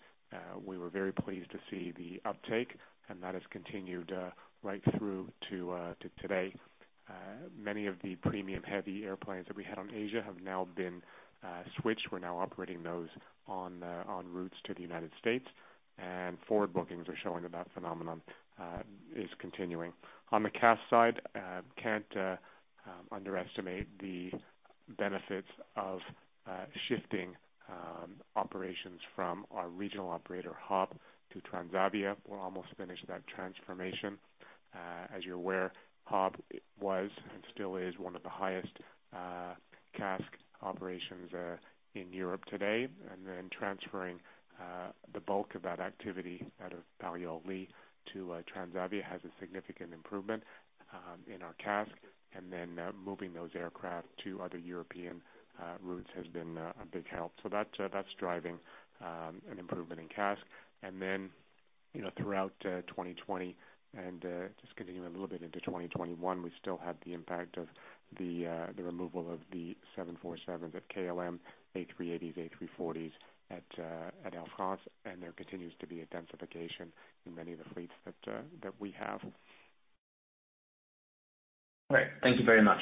We were very pleased to see the uptake, and that has continued right through to today. Many of the premium heavy airplanes that we had on Asia have now been switched. We're now operating those on routes to the United States, and forward bookings are showing that phenomenon is continuing. On the CASK side, can't underestimate the benefits of shifting operations from our regional operator hub to Transavia. We're almost finished that transformation. As you're aware, hub was and still is one of the highest CASK operations in Europe today. Transferring the bulk of that activity out of Paris-Orly to Transavia has a significant improvement in our CASK. Moving those aircraft to other European routes has been a big help. That's driving an improvement in CASK. Throughout 2020 and just continuing a little bit into 2021, we still have the impact of the removal of the 747 at KLM, A380s, A340s at Air France. There continues to be a densification in many of the fleets that we have. Great. Thank you very much.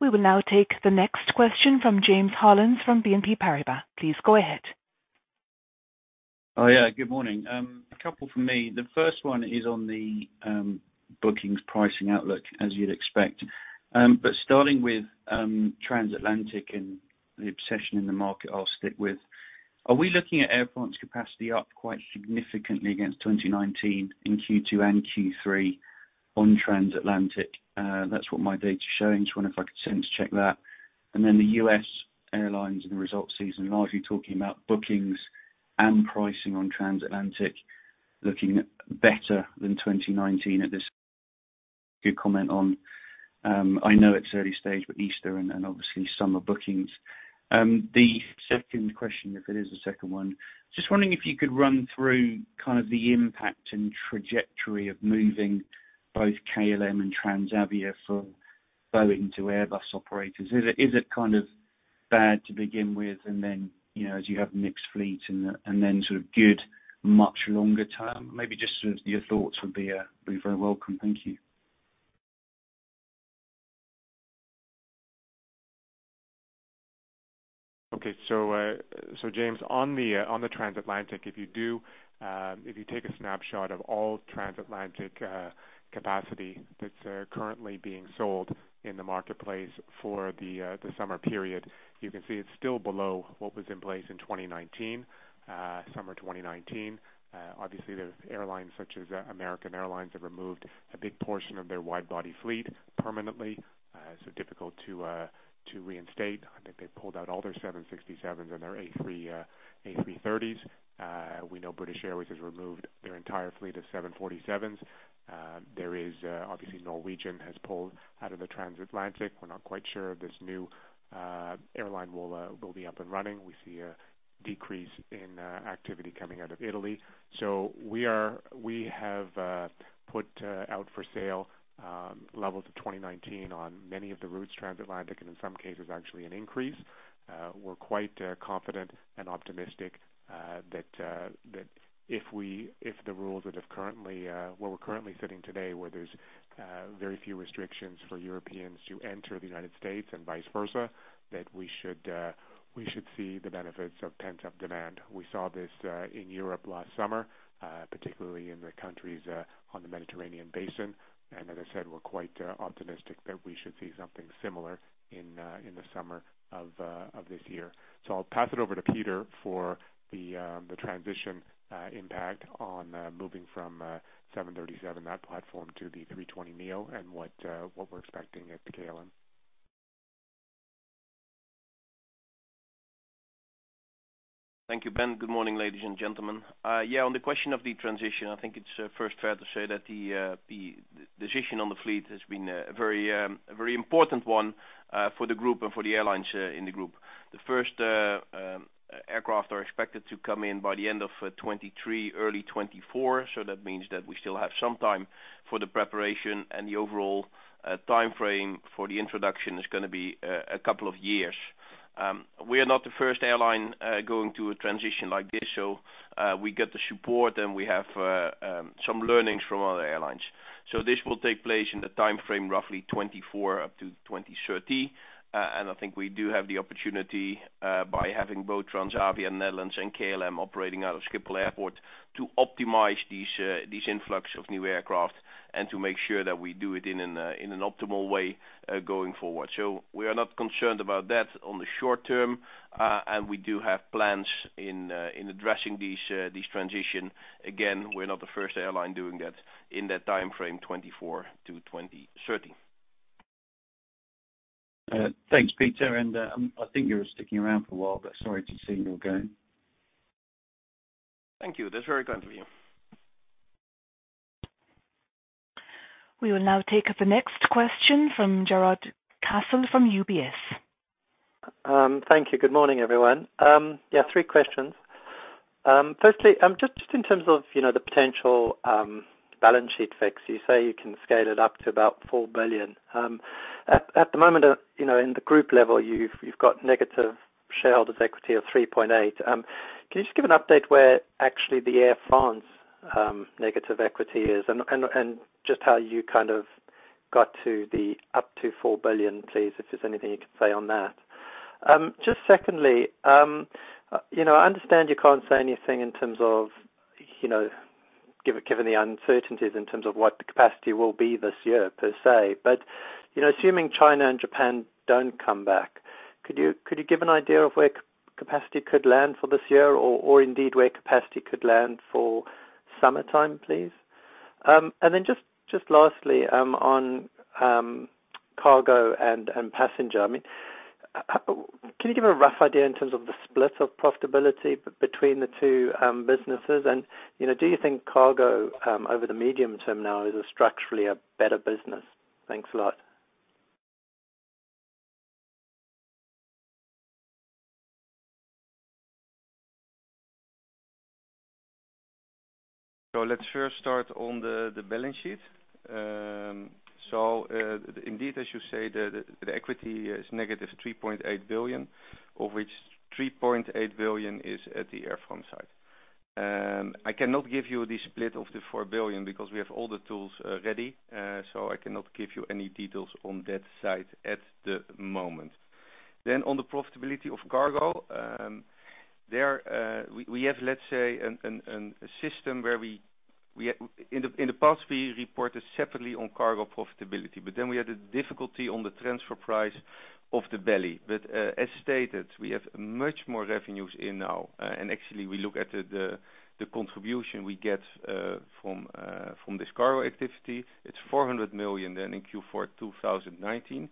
We will now take the next question from James Hollins from BNP Paribas. Please go ahead. Oh, yeah. Good morning. A couple from me. The first one is on the bookings pricing outlook, as you'd expect. Starting with transatlantic and the obsession in the market I'll stick with, are we looking at Air France capacity up quite significantly against 2019 in Q2 and Q3 on transatlantic? That's what my data's showing. Just wonder if I could sense check that. The U.S. airlines and the results season, largely talking about bookings and pricing on transatlantic looking better than 2019 at this. Good comment on, I know it's early stage, Easter and obviously summer bookings. The second question, if it is a second one, just wondering if you could run through kind of the impact and trajectory of moving both KLM and Transavia from Boeing to Airbus operators. Is it kind of bad to begin with and then, you know, as you have mixed fleet and then sort of good much longer term? Maybe just sort of your thoughts would be very welcome. Thank you. James, on the Transatlantic, if you take a snapshot of all Transatlantic capacity that's currently being sold in the marketplace for the summer period, you can see it's still below what was in place in 2019, summer 2019. Obviously there are airlines such as American Airlines that have removed a big portion of their wide-body fleet permanently, so difficult to reinstate. I think they pulled out all their 767s and their A330s. We know British Airways has removed their entire fleet of 747s. There is obviously Norwegian that has pulled out of the Transatlantic. We're not quite sure this new airline will be up and running. We see a decrease in activity coming out of Italy. We have put out for sale levels of 2019 on many of the transatlantic routes, and in some cases actually an increase. We're quite confident and optimistic that if the rules that are currently where we're currently sitting today, where there's very few restrictions for Europeans to enter the United States and vice versa, that we should see the benefits of pent-up demand. We saw this in Europe last summer, particularly in the countries on the Mediterranean basin. As I said, we're quite optimistic that we should see something similar in the summer of this year. I'll pass it over to Pieter for the transition impact on moving from 737 that platform to the A320neo and what we're expecting at KLM. Thank you, Ben. Good morning, ladies and gentlemen. On the question of the transition, I think it's first fair to say that the decision on the fleet has been a very important one for the group and for the airlines in the group. The first aircraft are expected to come in by the end of 2023, early 2024. That means that we still have some time for the preparation and the overall timeframe for the introduction is gonna be a couple of years. We are not the first airline going through a transition like this, so we get the support and we have some learnings from other airlines. This will take place in the timeframe, roughly 2024 up to 2030. I think we do have the opportunity by having both Transavia Netherlands and KLM operating out of Schiphol Airport to optimize this influx of new aircraft and to make sure that we do it in an optimal way going forward. We are not concerned about that on the short term. We do have plans in addressing this transition. Again, we're not the first airline doing that in that timeframe, 2024-2030. Thanks, Pieter. I think you're sticking around for a while, but sorry to see you again. Thank you. That's very kind of you. We will now take the next question from Jarrod Castle from UBS. Thank you. Good morning, everyone. Yeah, three questions. Firstly, just in terms of, you know, the potential balance sheet fix, you say you can scale it up to about 4 billion. At the moment, you know, at the group level, you've got negative shareholders' equity of 3.8 billion. Can you just give an update where actually the Air France negative equity is, and just how you kind of got to up to 4 billion, please, if there's anything you can say on that? Just secondly, you know, I understand you can't say anything in terms of, you know, given the uncertainties in terms of what the capacity will be this year per se, but, you know, assuming China and Japan don't come back, could you give an idea of where capacity could land for this year or indeed where capacity could land for summertime, please? Then just lastly, on cargo and passenger. I mean, how can you give a rough idea in terms of the split of profitability between the two businesses? You know, do you think cargo over the medium term now is structurally a better business? Thanks a lot. Let's first start on the balance sheet. Indeed, as you say, the equity is -3.8 billion, of which 3.8 billion is at the Air France side. I cannot give you the split of the 4 billion because we have all the tools ready. I cannot give you any details on that side at the moment. On the profitability of cargo, we have, let's say, a system. In the past we reported separately on cargo profitability, but then we had a difficulty on the transfer price of the belly. As stated, we have much more revenues now, and actually we look at the contribution we get from this cargo activity. It's 400 million then in Q4 2019.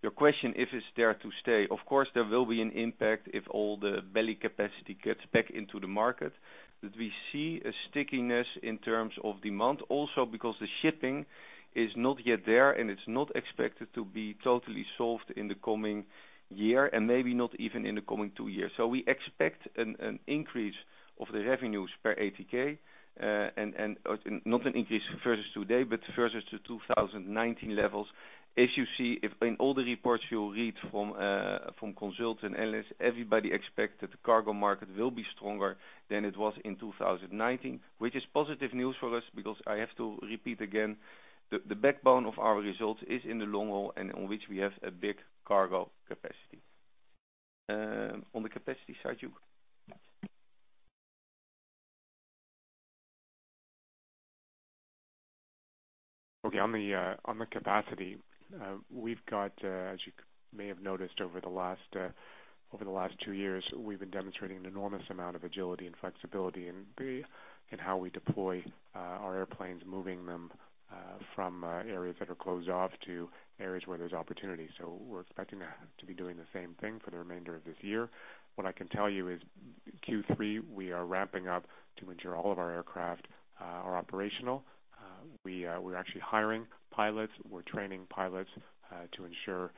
Your question, if it's there to stay. Of course there will be an impact if all the belly capacity gets back into the market. We see a stickiness in terms of demand also because the shipping is not yet there, and it's not expected to be totally solved in the coming year and maybe not even in the coming two years. We expect an increase of the revenues per ATK, or not an increase versus today, but versus the 2019 levels. As you see, if in all the reports you read from consultants and analysts, everybody expects that the cargo market will be stronger than it was in 2019, which is positive news for us because I have to repeat again, the backbone of our results is in the long haul and on which we have a big cargo capacity. On the capacity side, you? Okay. On the capacity, we've got, as you may have noticed over the last two years, we've been demonstrating an enormous amount of agility and flexibility in how we deploy our airplanes, moving them from areas that are closed off to areas where there's opportunity. We're expecting to be doing the same thing for the remainder of this year. What I can tell you is Q3, we are ramping up to ensure all of our aircraft are operational. We're actually hiring pilots. We're training pilots to ensure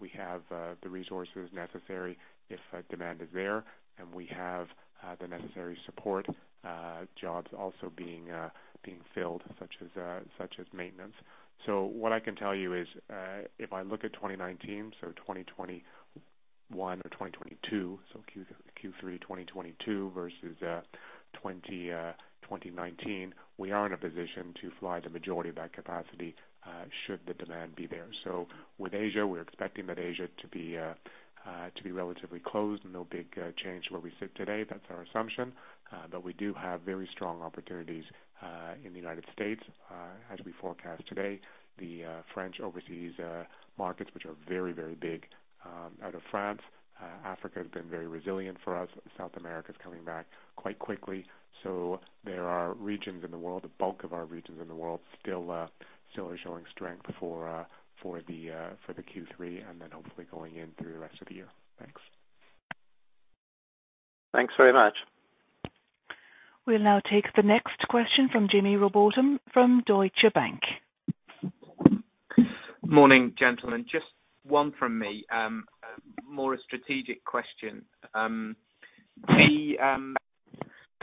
we have the resources necessary if demand is there, and we have the necessary support, jobs also being filled, such as maintenance. What I can tell you is, if I look at 2019, so 2021 or 2022, so Q3 2022 versus 2019, we are in a position to fly the majority of that capacity, should the demand be there. With Asia, we're expecting that Asia to be to be relatively closed. No big change where we sit today. That's our assumption. We do have very strong opportunities in the United States. As we forecast today, the French overseas markets, which are very, very big, out of France. Africa has been very resilient for us. South America is coming back quite quickly. There are regions in the world, the bulk of our regions in the world still are showing strength for the Q3 and then hopefully going in through the rest of the year. Thanks. Thanks very much. We'll now take the next question from Jaime Rowbotham from Deutsche Bank. Morning, gentlemen. Just one from me. More a strategic question. The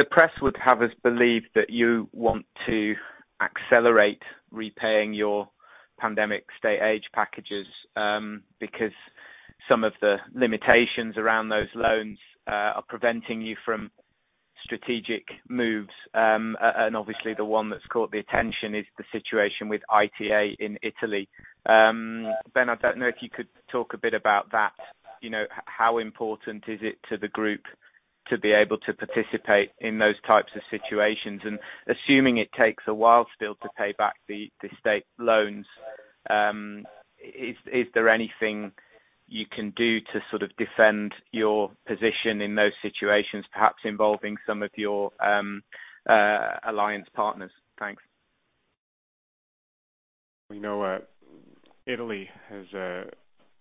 press would have us believe that you want to accelerate repaying your pandemic state aid packages, because some of the limitations around those loans are preventing you from strategic moves, and obviously the one that's caught the attention is the situation with ITA in Italy. Ben, I don't know if you could talk a bit about that. You know, how important is it to the group to be able to participate in those types of situations? Assuming it takes a while still to pay back the state loans, is there anything you can do to sort of defend your position in those situations, perhaps involving some of your alliance partners? Thanks. We know Italy has a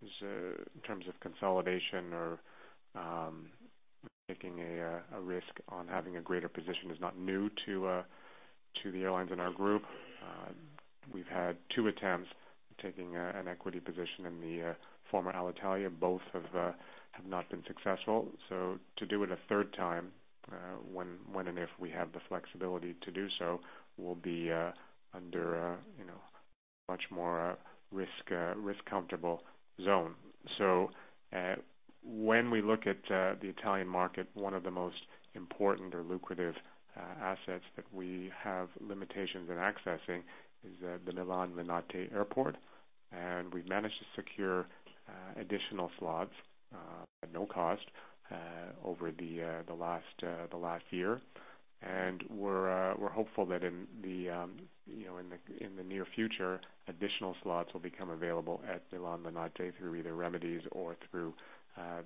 in terms of consolidation or taking a risk on having a greater position is not new to the airlines in our group. We've had two attempts taking an equity position in the former Alitalia. Both have not been successful. To do it a third time when and if we have the flexibility to do so will be under you know much more risk comfortable zone. When we look at the Italian market one of the most important or lucrative assets that we have limitations in accessing is the Milan Linate Airport. We managed to secure additional slots at no cost over the last year. We're hopeful that, you know, in the near future, additional slots will become available at Milan Linate through either remedies or through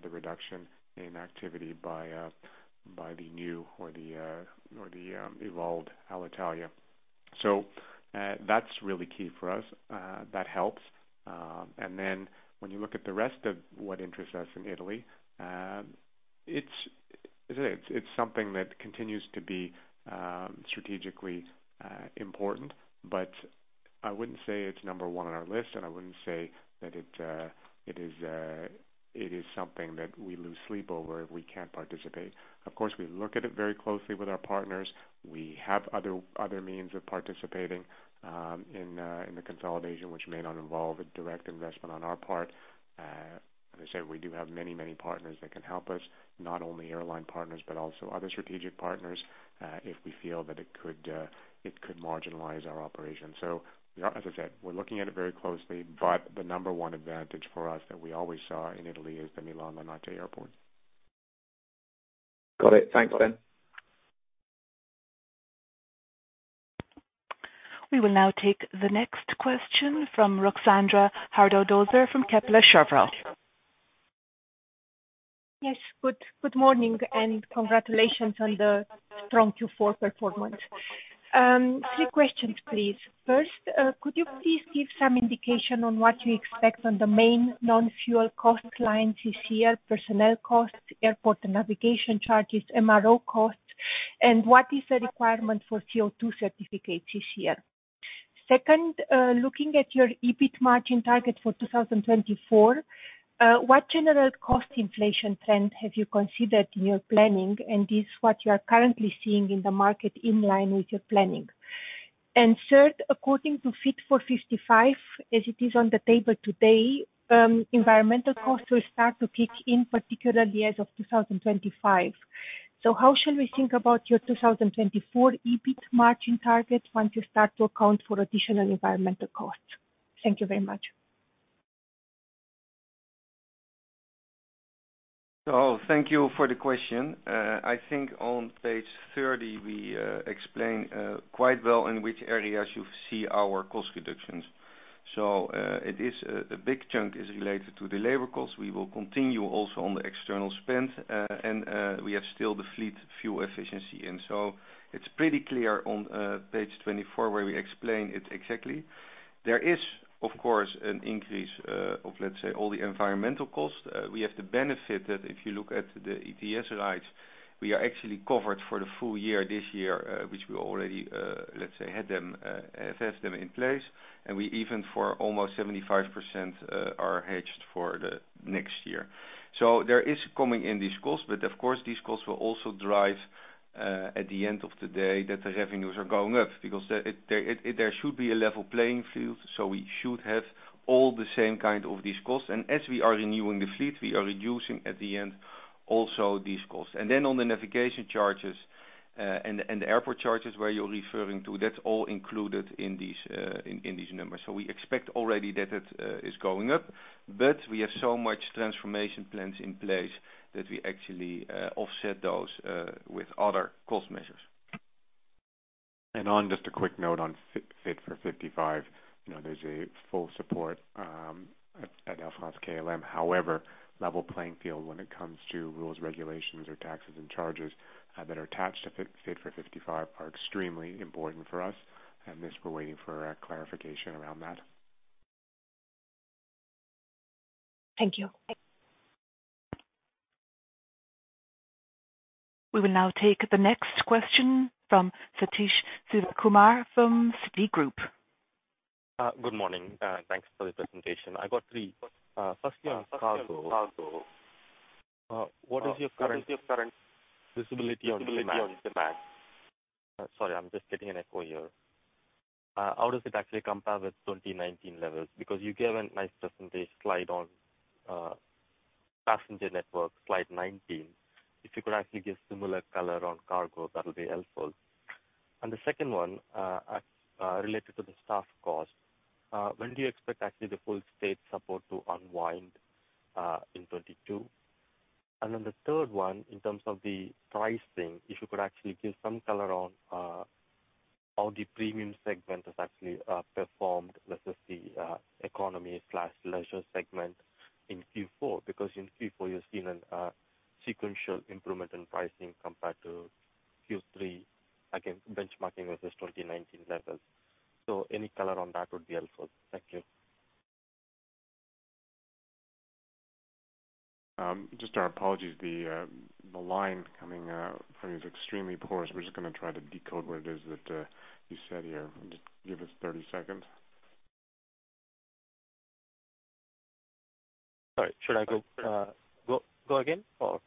the reduction in activity by the new or the evolved Alitalia. That's really key for us. That helps. When you look at the rest of what interests us in Italy, it's something that continues to be strategically important, but I wouldn't say it's number one on our list, and I wouldn't say that it is something that we lose sleep over if we can't participate. Of course, we look at it very closely with our partners. We have other means of participating in the consolidation, which may not involve a direct investment on our part. As I said, we do have many partners that can help us, not only airline partners, but also other strategic partners, if we feel that it could marginalize our operations. As I said, we're looking at it very closely, but the number one advantage for us that we always saw in Italy is the Milan Linate Airport. Got it. Thanks, Ben. We will now take the next question from Ruxandra Haradau-Döser from Kepler Cheuvreux. Yes. Good morning and congratulations on the strong Q4 performance. Three questions, please. First, could you please give some indication on what you expect on the main non-fuel cost lines this year, personnel costs, airport and navigation charges, MRO costs, and what is the requirement for CO2 certificates this year? Second, looking at your EBIT margin target for 2024, what general cost inflation trend have you considered in your planning and is what you are currently seeing in the market in line with your planning? Third, according to Fit for 55, as it is on the table today, environmental costs will start to kick in particularly as of 2025. How should we think about your 2024 EBIT margin target once you start to account for additional environmental costs? Thank you very much. Thank you for the question. I think on page 30, we explain quite well in which areas you see our cost reductions. It is a big chunk is related to the labor cost. We will continue also on the external spend and we have still the fleet fuel efficiency. It's pretty clear on page 24 where we explain it exactly. There is of course an increase of, let's say, all the environmental costs. We have the benefit that if you look at the ETS rights, we are actually covered for the full year this year, which we already, let's say, have them in place. We even for almost 75% are hedged for the next year. There is coming in these costs, but of course, these costs will also drive, at the end of the day, that the revenues are going up because there should be a level playing field. We should have all the same kind of these costs. As we are renewing the fleet, we are reducing at the end also these costs. Then on the navigation charges and the airport charges where you're referring to, that's all included in these numbers. We expect already that it is going up, but we have so much transformation plans in place that we actually offset those with other cost measures. On just a quick note on Fit for 55, you know, there's full support at Air France-KLM. However, level playing field when it comes to rules, regulations, or taxes and charges that are attached to Fit for 55 are extremely important for us, and this we're waiting for a clarification around that. Thank you. We will now take the next question from Sathish Sivakumar from Citi. Good morning, and thanks for the presentation. I got three. First on cargo, what is your current visibility on demand? Sorry, I'm just getting an echo here. How does it actually compare with 2019 levels? Because you gave a nice presentation slide on passenger network, slide 19. If you could actually give similar color on cargo, that'll be helpful. The second one, related to the staff cost, when do you expect actually the full state support to unwind in 2022? Then the third one, in terms of the pricing, if you could actually give some color on how the premium segment has actually performed versus the economy class leisure segment in Q4. Because in Q4, you're seeing a sequential improvement in pricing compared to Q3, again, benchmarking versus 2019 levels. Any color on that would be helpful. Thank you. Just our apologies. The line coming out from is extremely poor, so we're just gonna try to decode what it is that you said here. Just give us 30 seconds. Sorry. Should I go again or?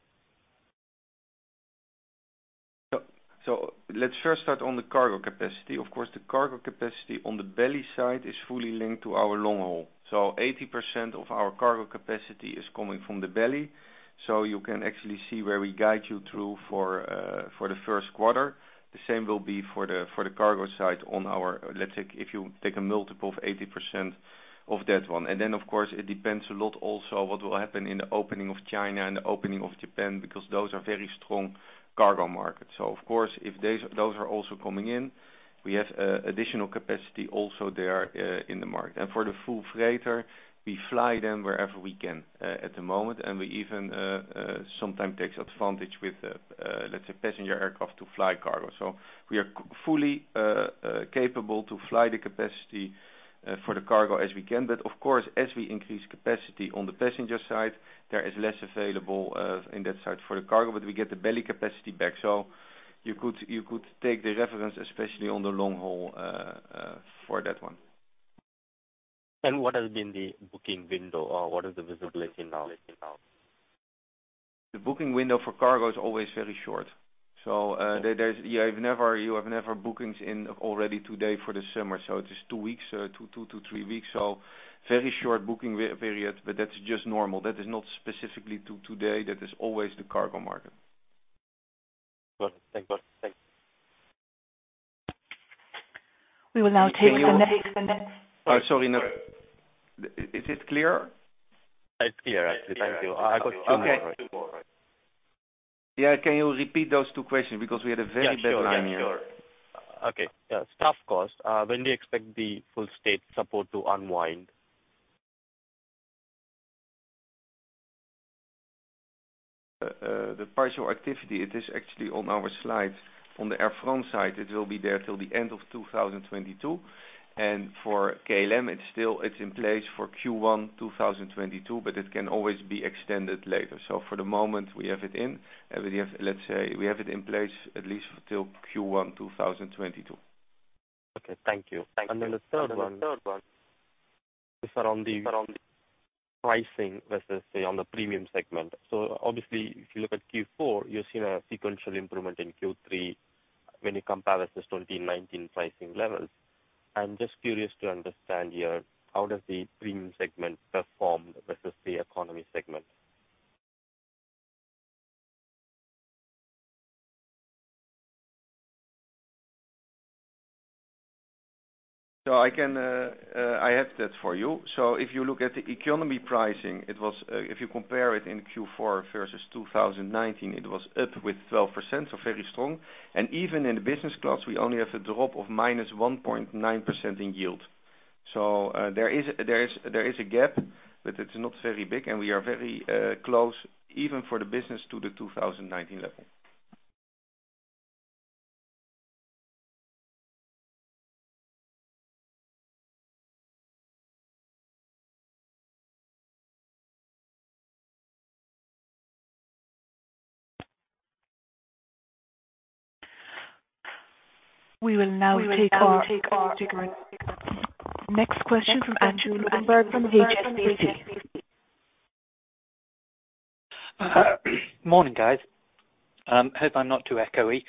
Let's first start on the cargo capacity. Of course, the cargo capacity on the belly side is fully linked to our long haul. 80% of our cargo capacity is coming from the belly. You can actually see where we guide you through for the first quarter. The same will be for the cargo side on our. Let's take, if you take a multiple of 80% of that one. Then, of course, it depends a lot also what will happen in the opening of China and the opening of Japan, because those are very strong cargo markets. Of course, if they, those are also coming in, we have additional capacity also there in the market. For the full freighter, we fly them wherever we can at the moment, and we even sometimes takes advantage with the, let's say, passenger aircraft to fly cargo. We are fully capable to fly the capacity for the cargo as we can. Of course, as we increase capacity on the passenger side, there is less available in that side for the cargo, but we get the belly capacity back. You could take the reference especially on the long haul for that one. What has been the booking window or what is the visibility now? The booking window for cargo is always very short. You have never bookings in already today for the summer. It is two weeks, two to three weeks. Very short booking period, but that's just normal. That is not specifically to today, that is always the cargo market. Got it. Thanks. We will now take the next. Sorry, no. Is it clear? It's clear. Thank you. I got two more. Okay. Yeah, can you repeat those two questions because we had a very bad line here? Yeah, sure. Okay. Yeah. Staff costs. When do you expect the full state support to unwind? The partial activity, it is actually on our slides. On the Air France side, it will be there till the end of 2022. For KLM, it's still in place for Q1 2022, but it can always be extended later. For the moment, we have it in place, let's say, at least till Q1 2022. Okay. Thank you. The third one is around the pricing versus, say, on the premium segment. Obviously, if you look at Q4, you're seeing a sequential improvement in Q3 when you compare versus 2019 pricing levels. I'm just curious to understand here, how does the premium segment perform versus the economy segment? I have that for you. If you look at the economy pricing, it was, if you compare it in Q4 versus 2019, it was up with 12%, so very strong. Even in the business class, we only have a drop of -1.9% in yield. There is a gap, but it's not very big, and we are very close, even for the business to the 2019 level. We will now take our next question from Andrew Lobbenberg from HSBC. Morning, guys. Hope I'm not too echoey.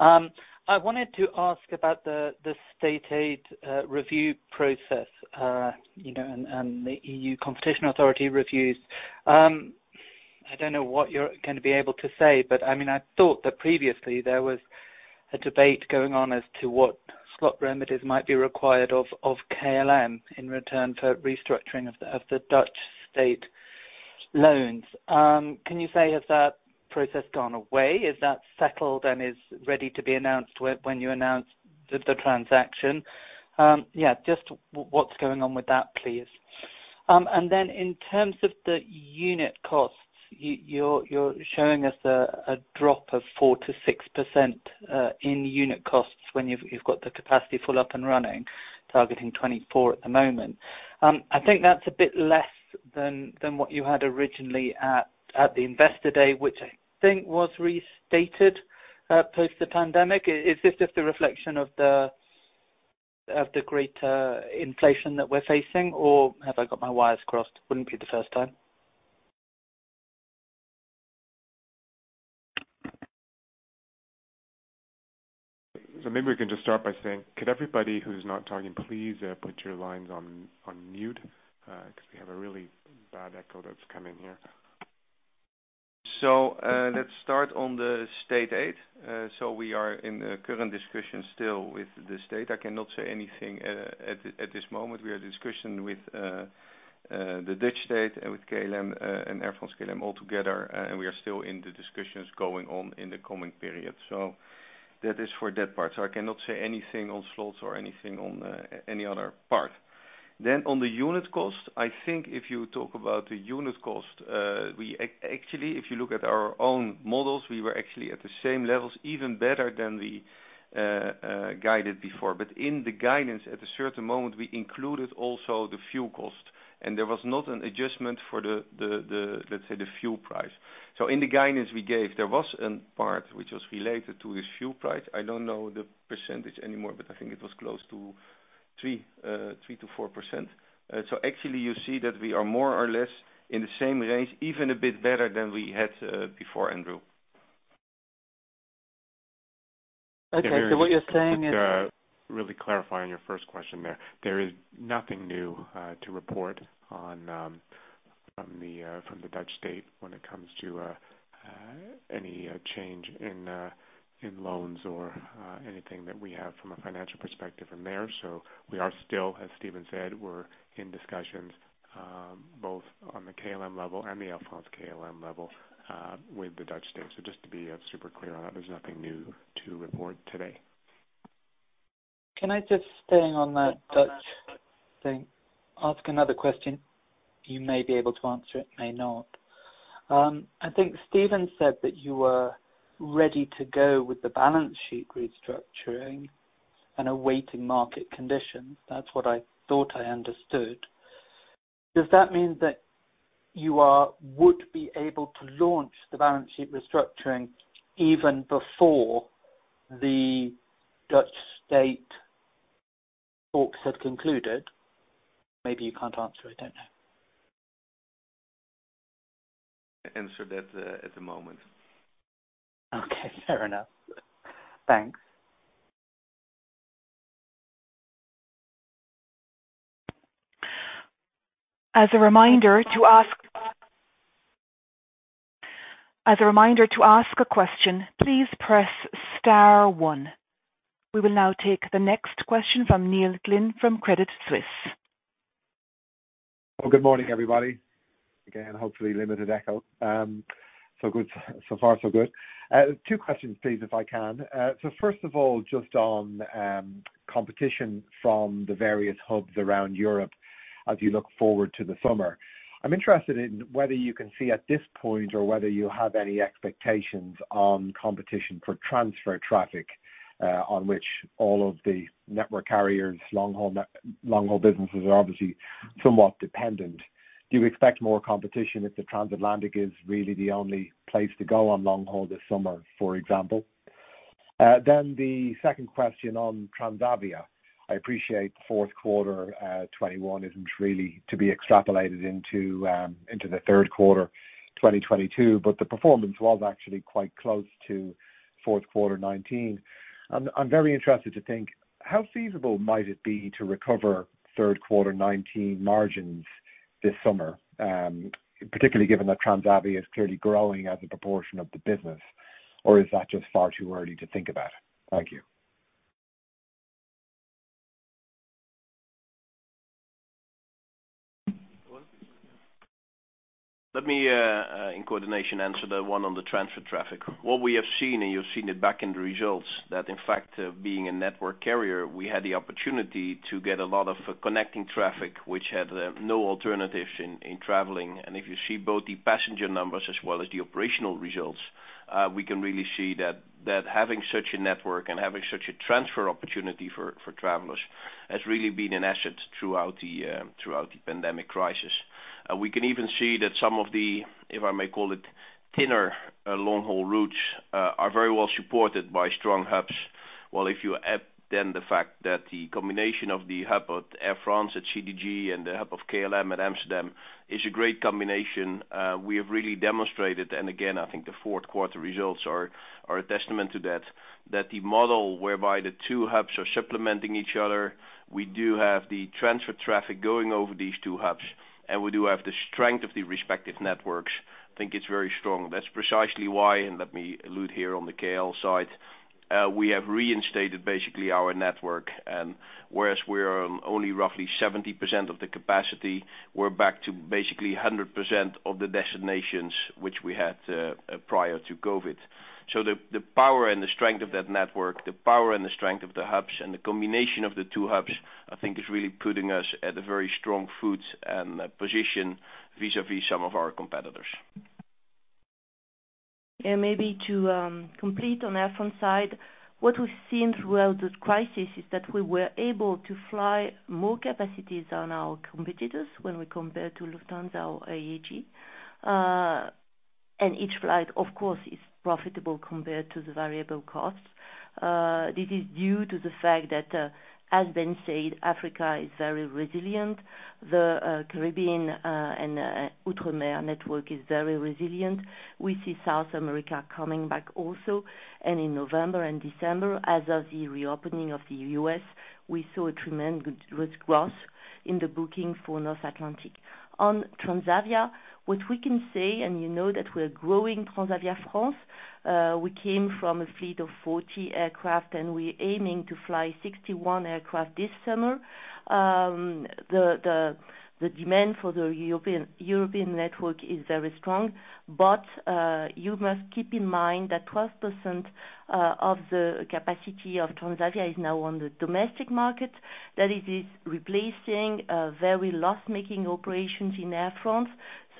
I wanted to ask about the state aid review process, you know, and the EU Competition Authority reviews. I don't know what you're gonna be able to say, but I mean, I thought that previously there was a debate going on as to what slot remedies might be required of KLM in return for restructuring of the Dutch state loans. Can you say has that process gone away? Is that settled and is ready to be announced when you announce the transaction? Yeah, just what's going on with that, please? In terms of the unit costs, you're showing us a drop of 4%-6% in unit costs when you've got the capacity full up and running, targeting 24 at the moment. I think that's a bit less than what you had originally at the Investor Day, which I think was restated post the pandemic. Is this just a reflection of the greater inflation that we're facing, or have I got my wires crossed? Wouldn't be the first time. Maybe we can just start by saying, could everybody who's not talking, please, put your lines on mute, 'cause we have a really bad echo that's coming here. Let's start on the state aid. We are in a current discussion still with the state. I cannot say anything at this moment. We are in discussion with the Dutch state and with KLM and Air France-KLM all together, and we are still in the discussions going on in the coming period. That is for that part. I cannot say anything on slots or anything on any other part. On the unit cost, I think if you talk about the unit cost, we actually, if you look at our own models, we were actually at the same levels, even better than we guided before. But in the guidance, at a certain moment, we included also the fuel cost. There was not an adjustment for the, let's say the fuel price. In the guidance we gave, there was a part which was related to this fuel price. I don't know the percentage anymore, but I think it was close to 3%-4%. Actually you see that we are more or less in the same range, even a bit better than we had before Andrew. Okay. What you're saying is. Really clarifying your first question there. There is nothing new to report on from the Dutch state when it comes to any change in loans or anything that we have from a financial perspective from there. We are still, as Steven said, in discussions both on the KLM level and the Air France-KLM level with the Dutch state. Just to be super clear on that, there's nothing new to report today. Can I just stay on that Dutch thing, ask another question? You may be able to answer it, may not. I think Steven said that you were ready to go with the balance sheet restructuring and awaiting market conditions. That's what I thought I understood. Does that mean that would be able to launch the balance sheet restructuring even before the Dutch state talks had concluded? Maybe you can't answer it. I don't know. Answer that, at the moment. Okay, fair enough. Thanks. We will now take the next question from Neil Glynn from Credit Suisse. Good morning, everybody. Again, hopefully limited echo. So good. So far, so good. Two questions please, if I can. First of all, just on competition from the various hubs around Europe as you look forward to the summer. I'm interested in whether you can see at this point or whether you have any expectations on competition for transfer traffic, on which all of the network carriers long haul businesses are obviously somewhat dependent. Do you expect more competition if the transatlantic is really the only place to go on long haul this summer, for example? Then the second question on Transavia. I appreciate fourth quarter 2021 isn't really to be extrapolated into the third quarter 2022, but the performance was actually quite close to fourth quarter 2019. I'm very interested to think how feasible might it be to recover third quarter 2019 margins this summer, particularly given that Transavia is clearly growing as a proportion of the business. Or is that just far too early to think about? Thank you. Let me in coordination answer the one on the transfer traffic. What we have seen, and you've seen it back in the results, that in fact, being a network carrier, we had the opportunity to get a lot of connecting traffic, which had no alternatives in traveling. If you see both the passenger numbers as well as the operational results, we can really see that having such a network and having such a transfer opportunity for travelers has really been an asset throughout the pandemic crisis. We can even see that some of the, if I may call it thinner, long haul routes are very well supported by strong hubs. While if you add then the fact that the combination of the HOP at Air France at CDG and the HOP of KLM at Amsterdam is a great combination, we have really demonstrated, and again, I think the fourth quarter results are a testament to that, the model whereby the two hubs are supplementing each other. We do have the transfer traffic going over these two hubs, and we do have the strength of the respective networks. I think it's very strong. That's precisely why, and let me allude here on the KLM side, we have reinstated basically our network. Whereas we are on only roughly 70% of the capacity, we're back to basically 100% of the destinations which we had, prior to COVID. The power and the strength of that network, the power and the strength of the hubs and the combination of the two hubs, I think is really putting us at a very strong foot and position vis-à-vis some of our competitors. Maybe to complete on Air France side. What we've seen throughout this crisis is that we were able to fly more capacities on our competitors when we compared to Lufthansa or IAG. And each flight, of course, is profitable compared to the variable costs. This is due to the fact that, as Ben said, Africa is very resilient. The Caribbean and Outre-mer network is very resilient. We see South America coming back also. And in November and December, as of the reopening of the U.S., we saw a tremendous growth in the booking for North Atlantic. On Transavia, what we can say and you know that we're growing Transavia France. We came from a fleet of 40 aircraft and we're aiming to fly 61 aircraft this summer. The demand for the European network is very strong. You must keep in mind that 12% of the capacity of Transavia is now on the domestic market, that it is replacing very loss-making operations in Air France.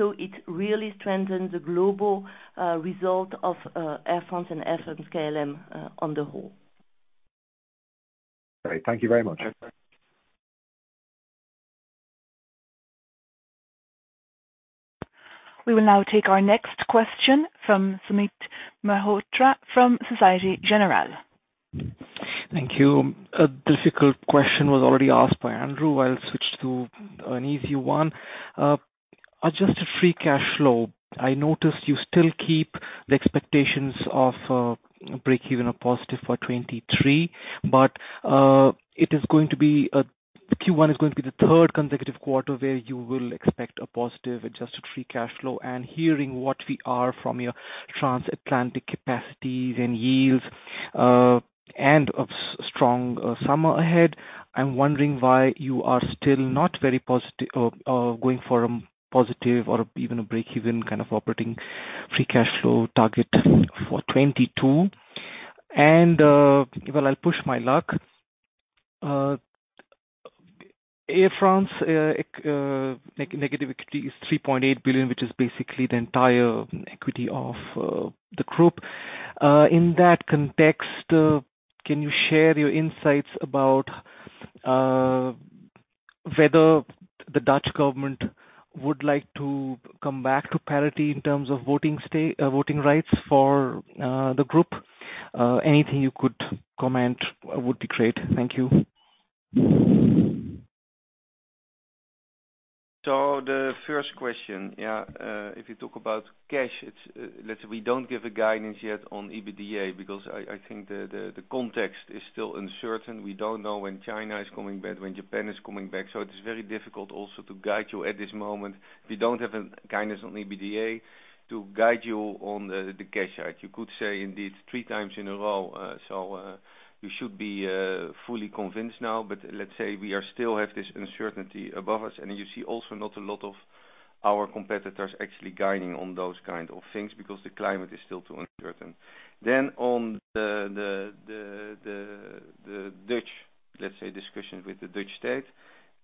It really strengthens the global result of Air France and Air France-KLM on the whole. Great. Thank you very much. We will now take our next question from Sumit Mehrotra from Société Générale. Thank you. A difficult question was already asked by Andrew. I'll switch to an easy one. Adjusted free cash flow. I noticed you still keep the expectations of break-even or positive for 2023, but Q1 is going to be the third consecutive quarter where you will expect a positive adjusted free cash flow. Hearing what we're hearing from your transatlantic capacities and yields, and a strong summer ahead, I'm wondering why you are still not very positive going for positive or even a break-even kind of operating free cash flow target for 2022. Well, I'll push my luck. Air France negative equity is 3.8 billion, which is basically the entire equity of the group. In that context, can you share your insights about whether the Dutch government would like to come back to parity in terms of voting rights for the group? Anything you could comment would be great. Thank you. The first question, yeah. If you talk about cash, it's, let's say we don't give a guidance yet on EBITDA because I think the context is still uncertain. We don't know when China is coming back, when Japan is coming back, so it is very difficult also to guide you at this moment. We don't have a guidance on EBITDA to guide you on the cash side. You could say indeed three times in a row, you should be fully convinced now. Let's say we are still have this uncertainty above us. You see also not a lot of our competitors actually guiding on those kind of things because the climate is still too uncertain. On the Dutch, let's say, discussions with the Dutch state.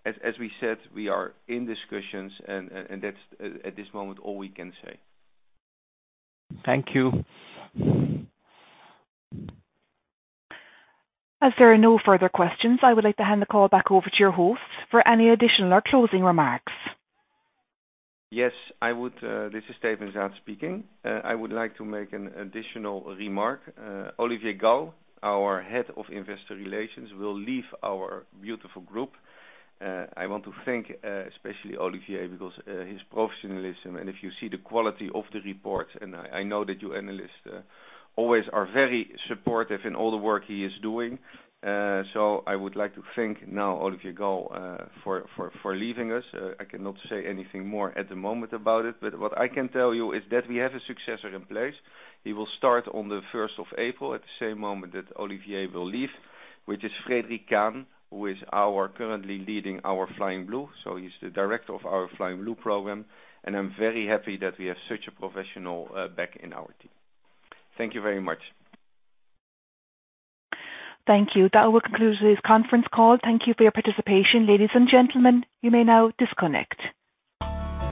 As we said, we are in discussions and that's at this moment all we can say. Thank you. As there are no further questions, I would like to hand the call back over to your host for any additional or closing remarks. Yes, I would, this is Steven Zaat speaking. I would like to make an additional remark. Olivier Gall, our Head of Investor Relations, will leave our beautiful group. I want to thank especially Olivier because his professionalism and if you see the quality of the report, and I know that you analysts always are very supportive in all the work he is doing. So I would like to thank now Olivier Gall for leaving us. I cannot say anything more at the moment about it, but what I can tell you is that we have a successor in place. He will start on the first of April, at the same moment that Olivier will leave, which is Frédéric Gagey, who is currently leading our Flying Blue. He's the director of our Flying Blue program, and I'm very happy that we have such a professional back in our team. Thank you very much. Thank you. That will conclude today's conference call. Thank you for your participation. Ladies and gentlemen, you may now disconnect.